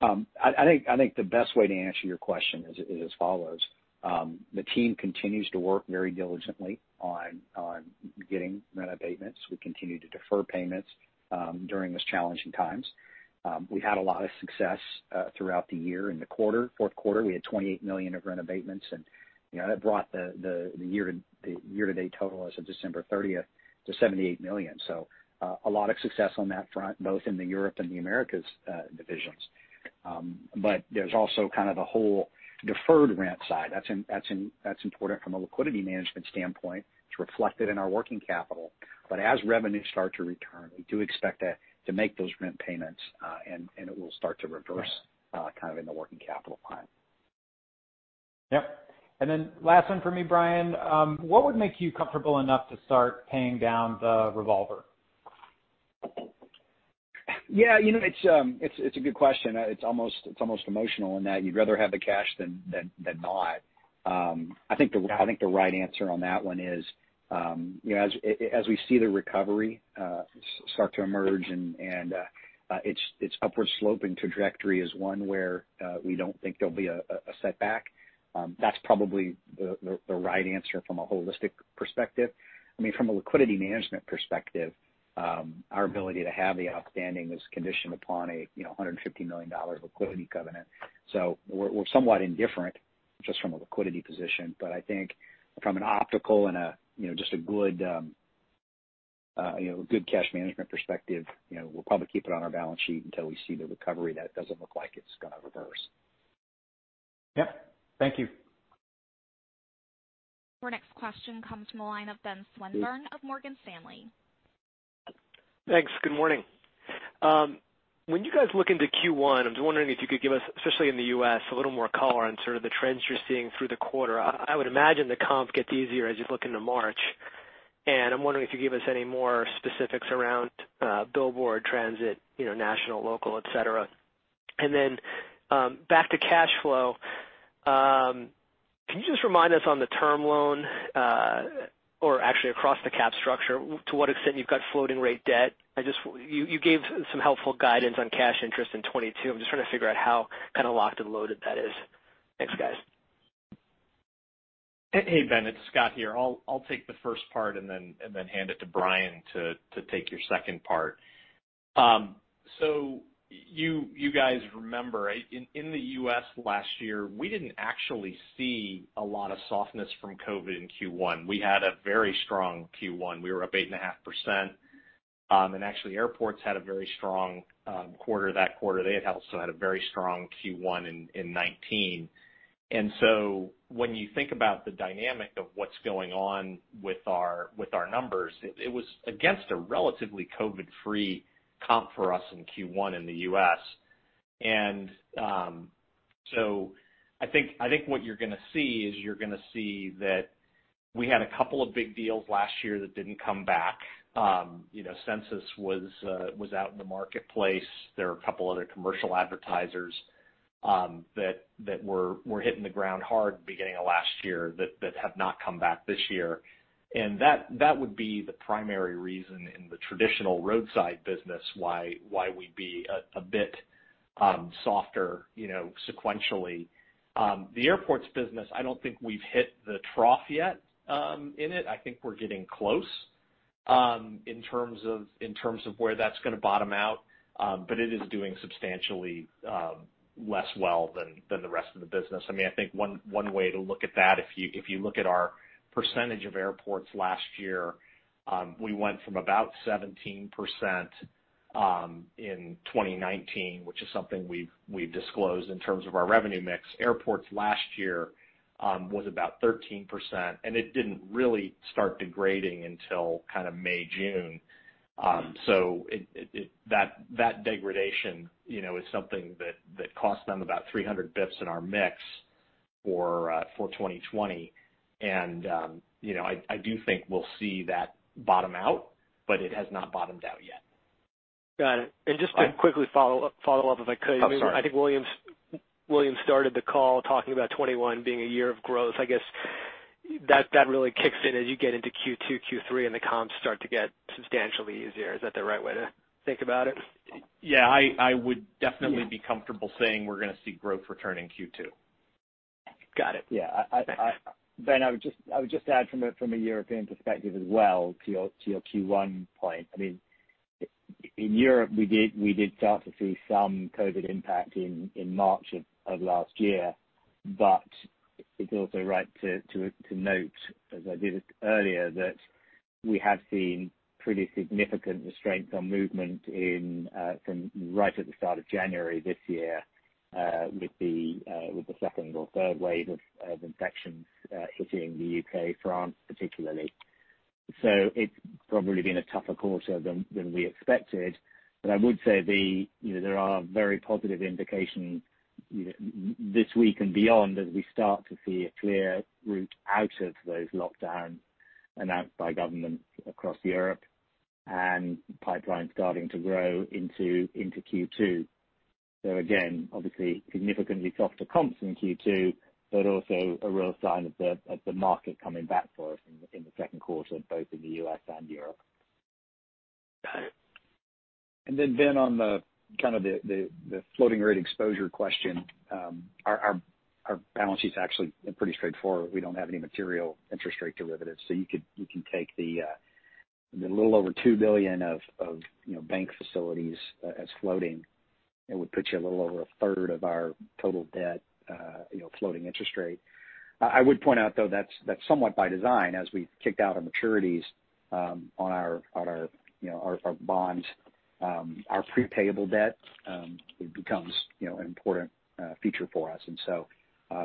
I think the best way to answer your question is as follows. The team continues to work very diligently on getting rent abatements. We continue to defer payments during these challenging times. We've had a lot of success throughout the year. In the quarter, fourth quarter, we had $28 million of rent abatements. That brought the year-to-date total as of December 30th to $78 million. A lot of success on that front, both in the Europe and the Americas divisions. There's also kind of the whole deferred rent side. That's important from a liquidity management standpoint. It's reflected in our working capital. As revenues start to return, we do expect to make those rent payments, and it will start to reverse kind of in the working capital line. Yep. Last one for me, Brian. What would make you comfortable enough to start paying down the revolver? It's a good question. It's almost emotional in that you'd rather have the cash than not. I think the right answer on that one is, as we see the recovery start to emerge and its upward sloping trajectory is one where we don't think there'll be a setback. That's probably the right answer from a holistic perspective. From a liquidity management perspective, our ability to have the outstanding is conditioned upon a $150 million of liquidity covenant. We're somewhat indifferent just from a liquidity position, but I think from an optical and just a good cash management perspective, we'll probably keep it on our balance sheet until we see the recovery that doesn't look like it's going to reverse. Yep. Thank you. Our next question comes from the line of Benjamin Swinburne of Morgan Stanley. Thanks. Good morning. When you guys look into Q1, I was wondering if you could give us, especially in the U.S., a little more color on sort of the trends you're seeing through the quarter. I would imagine the comp gets easier as you look into March, I'm wondering if you give us any more specifics around billboard transit, national, local, et cetera. Back to cash flow, can you just remind us on the term loan, or actually across the cap structure, to what extent you've got floating rate debt? You gave some helpful guidance on cash interest in 2022. I'm just trying to figure out how locked and loaded that is. Thanks, guys. Hey, Ben, it's Scott here. I'll take the first part and then hand it to Brian to take your second part. You guys remember, in the U.S. last year, we didn't actually see a lot of softness from COVID in Q1. We had a very strong Q1. We were up 8.5%, and actually airports had a very strong quarter that quarter. They had also had a very strong Q1 in 2019. When you think about the dynamic of what's going on with our numbers, it was against a relatively COVID-free comp for us in Q1 in the U.S. I think what you're going to see is you're going to see that we had a couple of big deals last year that didn't come back. Census was out in the marketplace. There are a couple other commercial advertisers that were hitting the ground hard beginning of last year that have not come back this year. That would be the primary reason in the traditional roadside business, why we'd be a bit softer sequentially. The airports business, I don't think we've hit the trough yet in it. I think we're getting close in terms of where that's going to bottom out. It is doing substantially less well than the rest of the business. I think one way to look at that, if you look at our percentage of airports last year, we went from about 17% in 2019, which is something we've disclosed in terms of our revenue mix. Airports last year was about 13%, and it didn't really start degrading until kind of May, June. That degradation is something that cost them about 300 basis points in our mix for 2020. I do think we'll see that bottom out, but it has not bottomed out yet. Got it. Just to quickly follow up, if I could. Oh, sorry. I think William started the call talking about 2021 being a year of growth. I guess that really kicks in as you get into Q2, Q3, and the comps start to get substantially easier. Is that the right way to think about it? Yeah, I would definitely be comfortable saying we're going to see growth return in Q2. Got it. Yeah. Ben, I would just add from a European perspective as well to your Q1 point. In Europe, we did start to see some COVID-19 impact in March of last year, but it's also right to note, as I did earlier, that we have seen pretty significant restraint on movement from right at the start of January this year, with the second or third wave of infections hitting the U.K., France particularly. It's probably been a tougher quarter than we expected, but I would say there are very positive indications this week and beyond as we start to see a clear route out of those lockdowns announced by governments across Europe and pipelines starting to grow into Q2. Again, obviously significantly softer comps in Q2, but also a real sign of the market coming back for us in the second quarter, both in the U.S. and Europe. Got it. Ben, on the floating rate exposure question, our balance sheet's actually pretty straightforward. We don't have any material interest rate derivatives. You can take the little over $2 billion of bank facilities as floating. It would put you a little over 1/3 of our total debt, floating interest rate. I would point out, though, that's somewhat by design, as we've kicked out our maturities on our bonds. Our pre-payable debt becomes an important feature for us.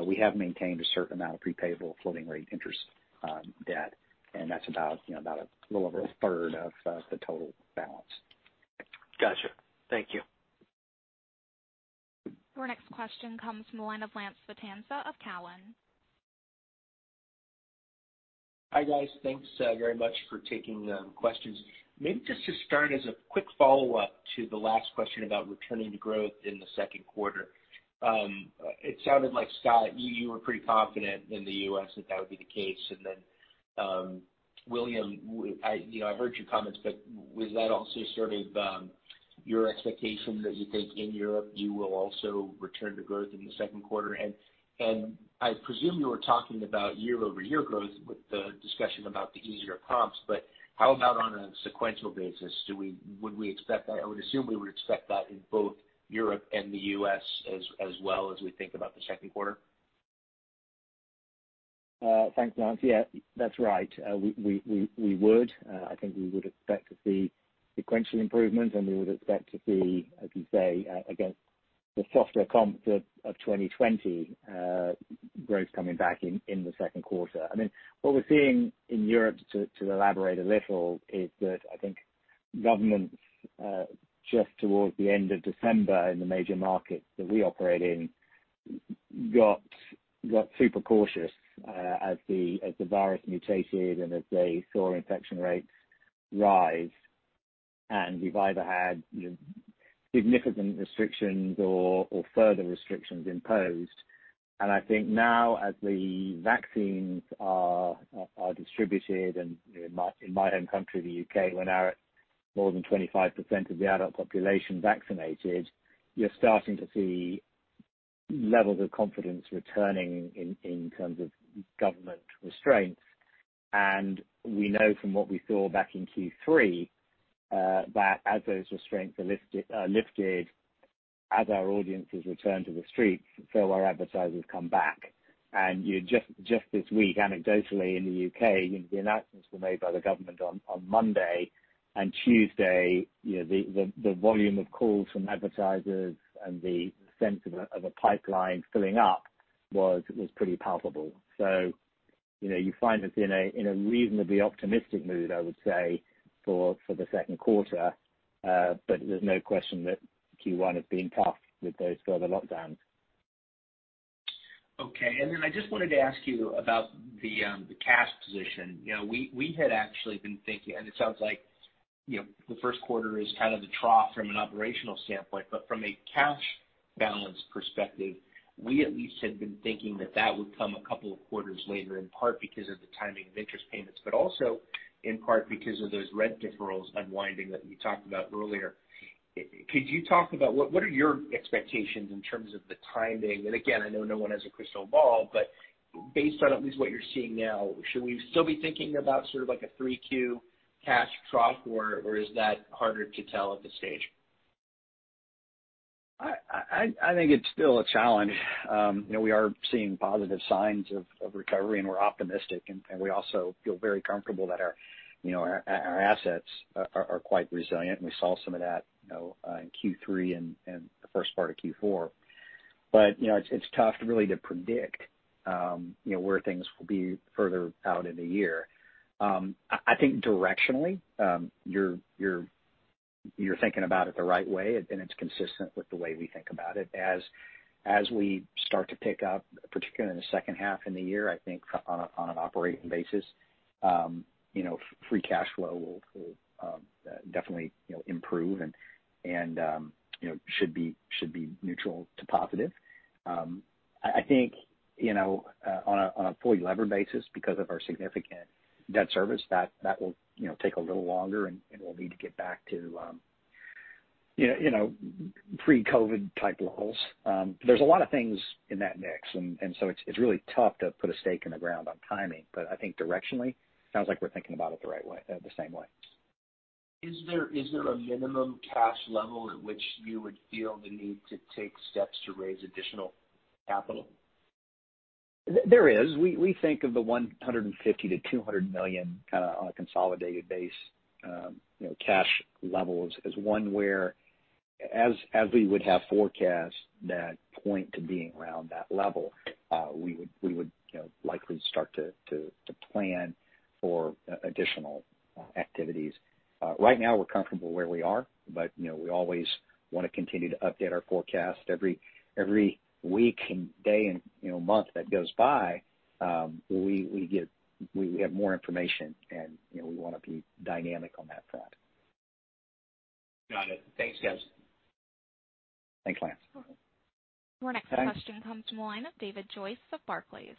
We have maintained a certain amount of pre-payable floating rate interest debt, and that's about a little over a third of the total balance. Got you. Thank you Our next question comes from the line of Lance Vitanza of Cowen. Hi, guys. Thanks very much for taking the questions. Maybe just to start, as a quick follow-up to the last question about returning to growth in the second quarter. It sounded like, Scott, you were pretty confident in the U.S. that that would be the case. William, I heard your comments, but was that also sort of your expectation that you think in Europe you will also return to growth in the second quarter? I presume you were talking about year-over-year growth with the discussion about the easier comps, but how about on a sequential basis? Would we expect that? I would assume we would expect that in both Europe and the U.S. as well as we think about the second quarter. Thanks, Lance. Yeah. That's right. We would. I think we would expect to see sequential improvement, and we would expect to see, as you say, against the softer comps of 2020, growth coming back in the second quarter. What we're seeing in Europe, to elaborate a little, is that I think governments, just towards the end of December in the major markets that we operate in, got super cautious as the virus mutated and as they saw infection rates rise. We've either had significant restrictions or further restrictions imposed. I think now as the vaccines are distributed, and in my home country, the U.K., we're now at more than 25% of the adult population vaccinated, you're starting to see levels of confidence returning in terms of government restraints. We know from what we saw back in Q3, that as those restraints are lifted, as our audiences return to the streets, our advertisers come back. Just this week, anecdotally in the U.K., the announcements were made by the government on Monday, and Tuesday, the volume of calls from advertisers and the sense of a pipeline filling up was pretty palpable. You find us in a reasonably optimistic mood, I would say, for the second quarter. There's no question that Q1 has been tough with those further lockdowns. Okay. I just wanted to ask you about the cash position. We had actually been thinking, and it sounds like the 1st quarter is kind of the trough from an operational standpoint, but from a cash balance perspective, we at least had been thinking that that would come a couple of quarters later, in part because of the timing of interest payments, but also in part because of those rent deferrals unwinding that you talked about earlier. Could you talk about what are your expectations in terms of the timing? Again, I know no one has a crystal ball, but based on at least what you're seeing now, should we still be thinking about sort of like a 3Q cash trough, or is that harder to tell at this stage? I think it's still a challenge. We are seeing positive signs of recovery, and we're optimistic, and we also feel very comfortable that our assets are quite resilient, and we saw some of that in Q3 and the first part of Q4. It's tough really to predict where things will be further out in the year. I think directionally, you're thinking about it the right way, and it's consistent with the way we think about it. As we start to pick up, particularly in the second half in the year, I think on an operating basis, free cash flow will definitely improve and should be neutral to positive. I think, on a fully levered basis because of our significant debt service, that will take a little longer, and we'll need to get back to pre-COVID type levels. There's a lot of things in that mix, and so it's really tough to put a stake in the ground on timing. I think directionally, sounds like we're thinking about it the same way. Is there a minimum cash level at which you would feel the need to take steps to raise additional capital? There is. We think of the $150 million-$200 million kind of on a consolidated base cash level as one where, as we would have forecasts that point to being around that level, we would likely start to plan for additional activities. Right now, we're comfortable where we are, but we always want to continue to update our forecast. Every week and day and month that goes by, we have more information, and we want to be dynamic on that front. Got it. Thanks, guys. Thanks, Lance. Your next question comes from the line of David Joyce of Barclays.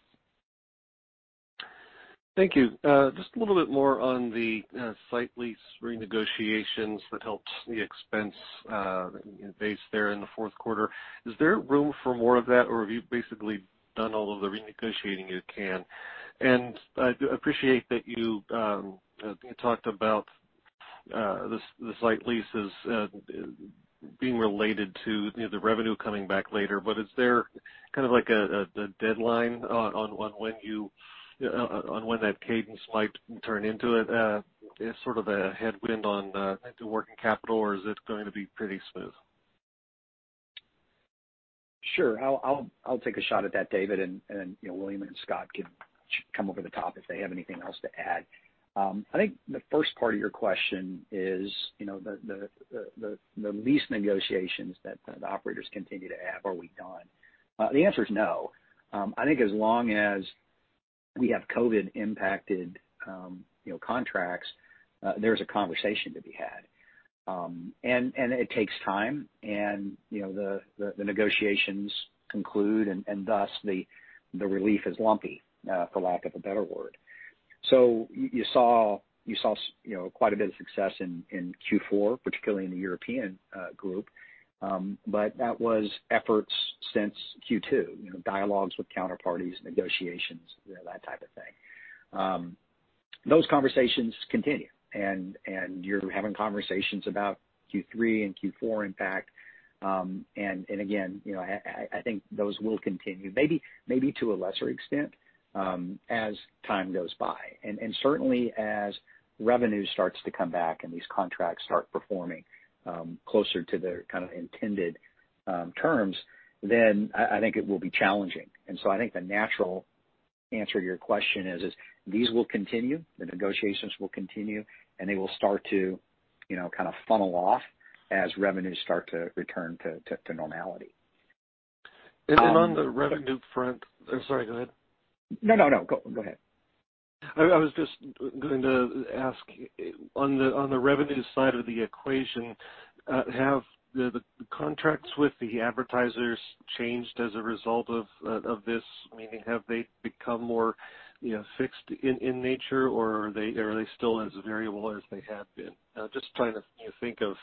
Thank you. Just a little bit more on the site lease renegotiations that helped the expense base there in the fourth quarter. Is there room for more of that, or have you basically done all of the renegotiating you can? I appreciate that you talked about the site leases being related to the revenue coming back later, but is there kind of like a deadline on when that cadence might turn into sort of a headwind on the working capital, or is it going to be pretty smooth? Sure. I'll take a shot at that, David, then William and Scott can come over the top if they have anything else to add. I think the first part of your question is, the lease negotiations that the operators continue to have, are we done? The answer is no. I think as long as we have COVID-impacted contracts, there's a conversation to be had. It takes time, the negotiations conclude, thus the relief is lumpy, for lack of a better word. You saw quite a bit of success in Q4, particularly in the European group. That was efforts since Q2, dialogues with counterparties, negotiations, that type of thing. Those conversations continue, you're having conversations about Q3 and Q4 impact. Again, I think those will continue, maybe to a lesser extent, as time goes by. Certainly as revenue starts to come back and these contracts start performing closer to their kind of intended terms, then I think it will be challenging. I think the natural answer to your question is these will continue, the negotiations will continue, and they will start to kind of funnel off as revenues start to return to normality. On the revenue front. I'm sorry, go ahead. No, go ahead. I was just going to ask on the revenue side of the equation, have the contracts with the advertisers changed as a result of this? Meaning, have they become more fixed in nature, or are they still as variable as they have been? Just trying to think of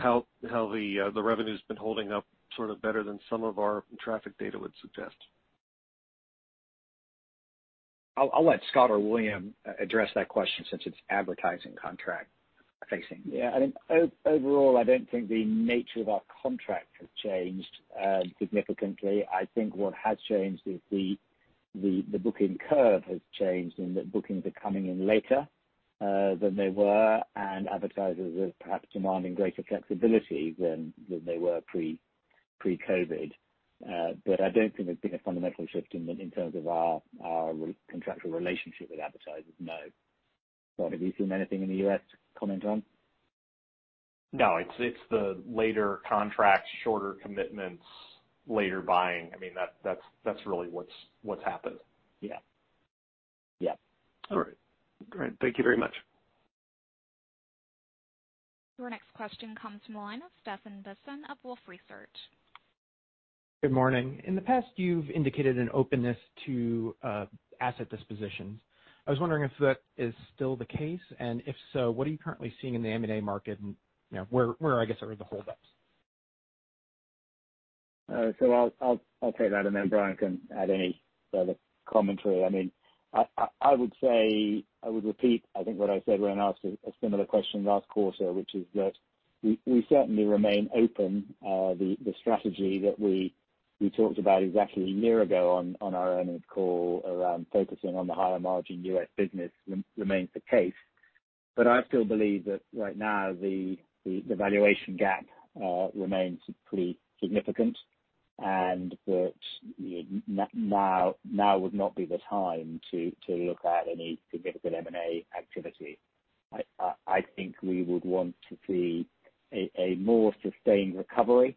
how the revenue's been holding up sort of better than some of our traffic data would suggest. I'll let Scott or William address that question since it's advertising contract facing. Yeah, I think overall, I don't think the nature of our contract has changed significantly. I think what has changed is the booking curve has changed in that bookings are coming in later than they were, and advertisers are perhaps demanding greater flexibility than they were pre-COVID. I don't think there's been a fundamental shift in terms of our contractual relationship with advertisers, no. Scott, have you seen anything in the U.S. to comment on? No, it's the later contracts, shorter commitments, later buying. That's really what's happened. Yeah. Yeah. All right, great. Thank you very much. Your next question comes from the line of Stephan Bisson of Wolfe Research. Good morning. In the past, you've indicated an openness to asset dispositions. I was wondering if that is still the case, and if so, what are you currently seeing in the M&A market and where, I guess, are the holdups? I'll take that, and then Brian can add any further commentary. I would repeat I think what I said when asked a similar question last quarter, which is that we certainly remain open. The strategy that we talked about exactly a year ago on our earnings call around focusing on the higher-margin U.S. business remains the case. I still believe that right now the valuation gap remains pretty significant and that now would not be the time to look at any significant M&A activity. I think we would want to see a more sustained recovery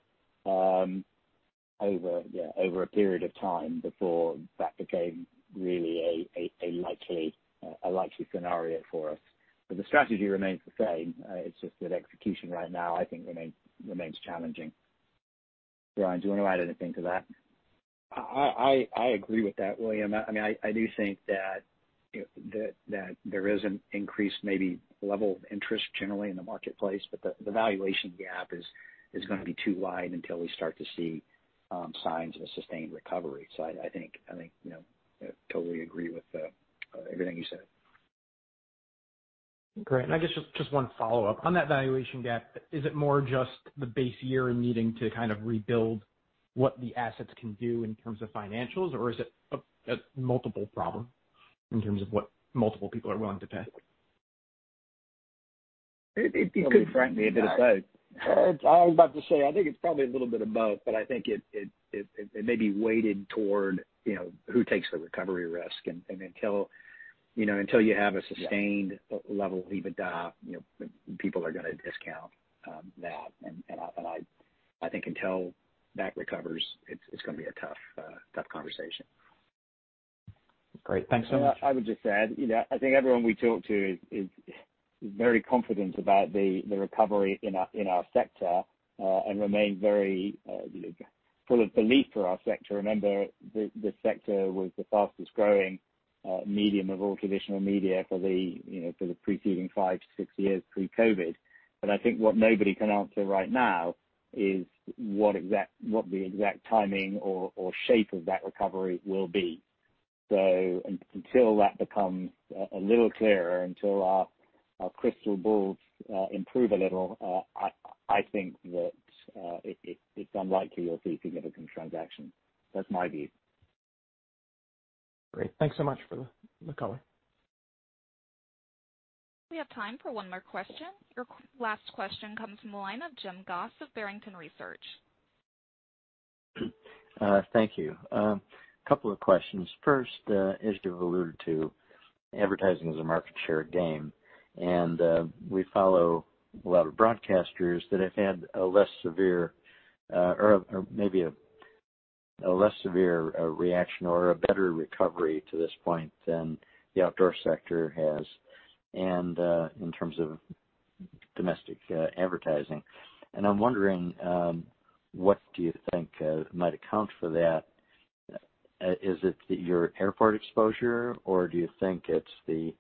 over a period of time before that became really a likely scenario for us. The strategy remains the same. It's just that execution right now, I think remains challenging. Brian, do you want to add anything to that? I agree with that, William. I do think that there is an increased maybe level of interest generally in the marketplace, but the valuation gap is going to be too wide until we start to see signs of a sustained recovery. I think I totally agree with everything you said. Great. I guess just one follow-up. On that valuation gap, is it more just the base year needing to kind of rebuild what the assets can do in terms of financials, or is it a multiple problem in terms of what multiple people are willing to pay? It could frankly be both. I was about to say, I think it's probably a little bit of both, but I think it may be weighted toward who takes the recovery risk, and until you have a sustained level of EBITDA, people are going to discount that. I think until that recovers, it's going to be a tough conversation. Great. Thanks so much. I would just add, I think everyone we talk to is very confident about the recovery in our sector, and remain very full of belief for our sector. Remember, this sector was the fastest-growing medium of all traditional media for the preceding five to six years pre-COVID. I think what nobody can answer right now is what the exact timing or shape of that recovery will be. Until that becomes a little clearer, until our crystal balls improve a little, I think that it's unlikely you'll see significant transaction. That's my view. Great. Thanks so much for the color. We have time for one more question. Your last question comes from the line of James Goss of Barrington Research. Thank you. Couple of questions. First, as you've alluded to, advertising is a market share game. We follow a lot of broadcasters that have had a less severe reaction or a better recovery to this point than the outdoor sector has in terms of domestic advertising. I'm wondering, what do you think might account for that? Is it your airport exposure, or do you think it's the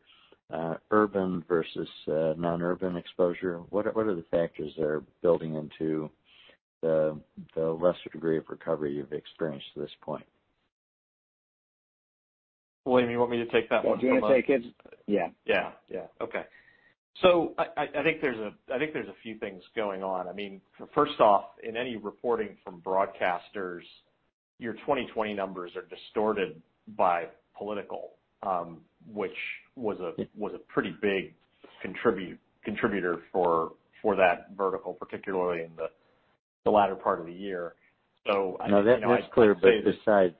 urban versus non-urban exposure? What are the factors that are building into the lesser degree of recovery you've experienced to this point? William, you want me to take that one? Do you want to take it? Yeah. Yeah. Okay. I think there's a few things going on. First off, in any reporting from broadcasters, your 2020 numbers are distorted by political, which was a pretty big contributor for that vertical, particularly in the latter part of the year. No, that's clear, but besides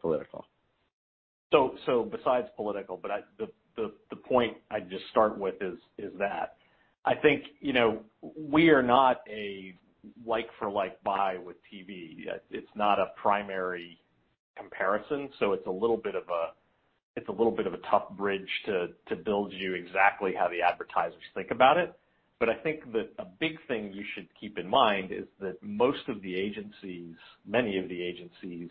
political. Besides political, but the point I'd just start with is that I think, we are not a like-for-like buy with TV. It's not a primary comparison, so it's a little bit of a tough bridge to build you exactly how the advertisers think about it. I think that a big thing you should keep in mind is that most of the agencies, many of the agencies,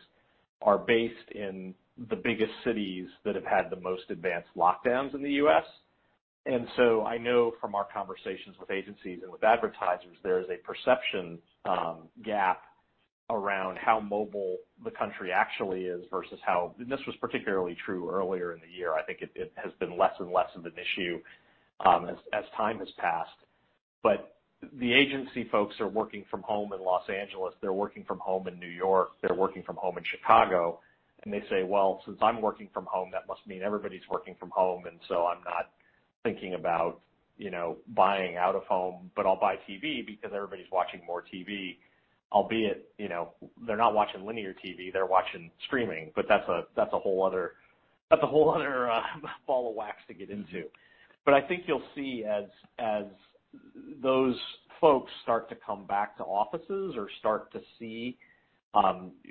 are based in the biggest cities that have had the most advanced lockdowns in the U.S. I know from our conversations with agencies and with advertisers, there is a perception gap around how mobile the country actually is versus how, and this was particularly true earlier in the year. I think it has been less and less of an issue as time has passed. The agency folks are working from home in Los Angeles, they're working from home in New York, they're working from home in Chicago, and they say, Well, since I'm working from home, that must mean everybody's working from home, and so I'm not thinking about buying out-of-home, but I'll buy TV because everybody's watching more TV. Albeit, they're not watching linear TV, they're watching streaming. That's a whole other ball of wax to get into. I think you'll see as those folks start to come back to offices or start to see,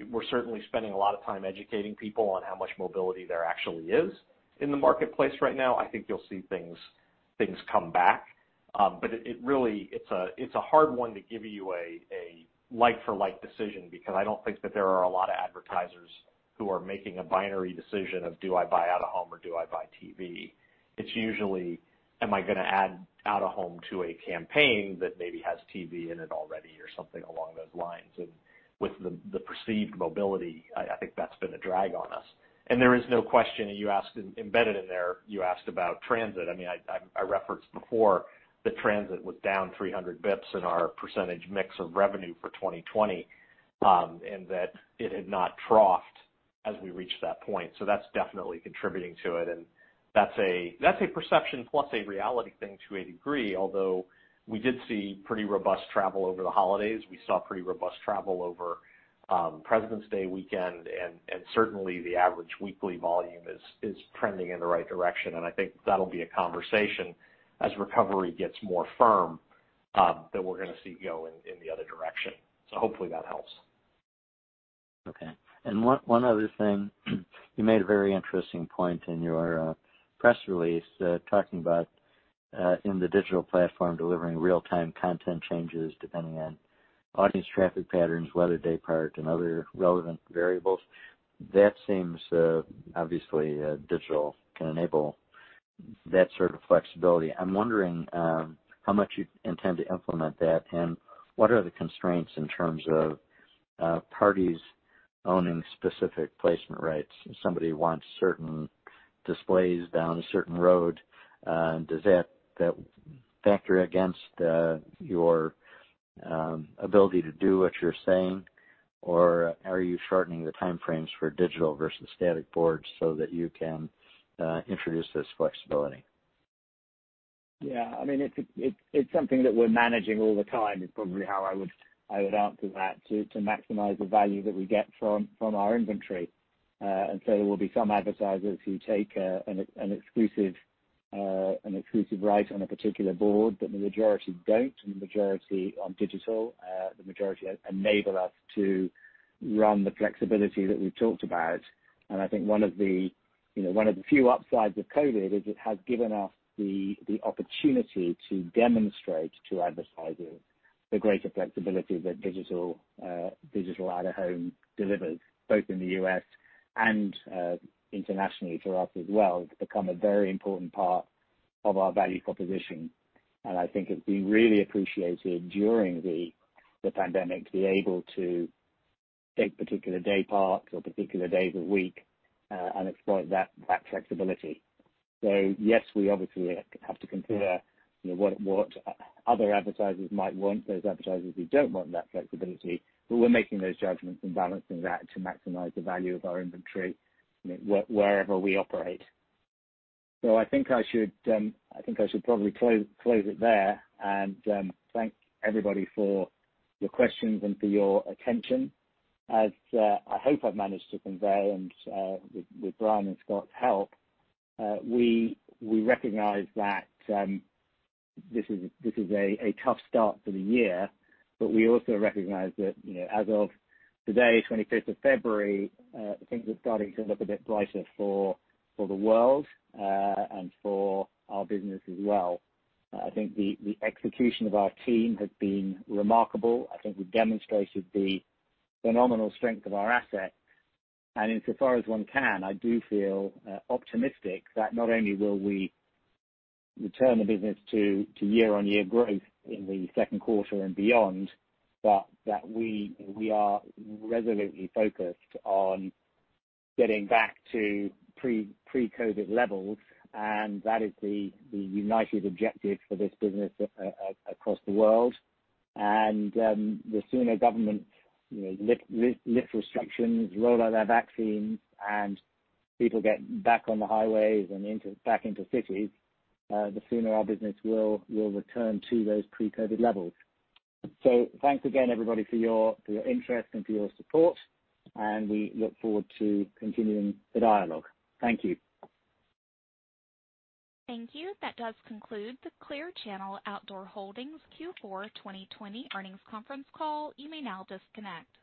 we're certainly spending a lot of time educating people on how much mobility there actually is in the marketplace right now. I think you'll see things come back. It's a hard one to give you a like-for-like decision because I don't think that there are a lot of advertisers who are making a binary decision of, do I buy out-of-home or do I buy TV? It's usually, am I going to add out-of-home to a campaign that maybe has TV in it already or something along those lines. With the perceived mobility, I think that's been a drag on us. There is no question, embedded in there, you asked about transit. I referenced before that transit was down 300 basis points in our percentage mix of revenue for 2020, and that it had not troughed as we reached that point. That's definitely contributing to it, and that's a perception plus a reality thing to a degree. Although, we did see pretty robust travel over the holidays. We saw pretty robust travel over Presidents' Day weekend. Certainly the average weekly volume is trending in the right direction. I think that'll be a conversation as recovery gets more firm, that we're going to see go in the other direction. Hopefully that helps. Okay. One other thing. You made a very interesting point in your press release, talking about in the digital platform, delivering real-time content changes depending on audience traffic patterns, weather, day part, and other relevant variables. That seems, obviously, digital can enable that sort of flexibility. I'm wondering how much you intend to implement that, and what are the constraints in terms of parties owning specific placement rights? If somebody wants certain displays down a certain road, does that factor against your ability to do what you're saying? Are you shortening the time frames for digital versus static boards so that you can introduce this flexibility? Yeah. It's something that we're managing all the time, is probably how I would answer that, to maximize the value that we get from our inventory. There will be some advertisers who take an exclusive right on a particular board, but the majority don't, and the majority on digital, the majority enable us to run the flexibility that we've talked about. I think one of the few upsides of COVID is it has given us the opportunity to demonstrate to advertisers the greater flexibility that digital out-of-home delivers, both in the U.S. and internationally for us as well. It's become a very important part of our value proposition, and I think it's been really appreciated during the pandemic to be able to take particular dayparts or particular days of week, and exploit that flexibility. Yes, we obviously have to consider what other advertisers might want, those advertisers who don't want that flexibility. We're making those judgments and balancing that to maximize the value of our inventory wherever we operate. I think I should probably close it there and thank everybody for your questions and for your attention. As I hope I've managed to convey, and with Brian and Scott's help, we recognize that this is a tough start for the year, but we also recognize that as of today, 25th of February, things are starting to look a bit brighter for the world, and for our business as well. I think the execution of our team has been remarkable. I think we've demonstrated the phenomenal strength of our asset. Insofar as one can, I do feel optimistic that not only will we return the business to year-on-year growth in the second quarter and beyond, but that we are resolutely focused on getting back to pre-COVID levels, and that is the united objective for this business across the world. The sooner governments lift restrictions, roll out their vaccines, and people get back on the highways and back into cities, the sooner our business will return to those pre-COVID levels. Thanks again, everybody, for your interest and for your support, and we look forward to continuing the dialogue. Thank you. Thank you. That does conclude the Clear Channel Outdoor Holdings Q4 2020 earnings conference call. You may now disconnect.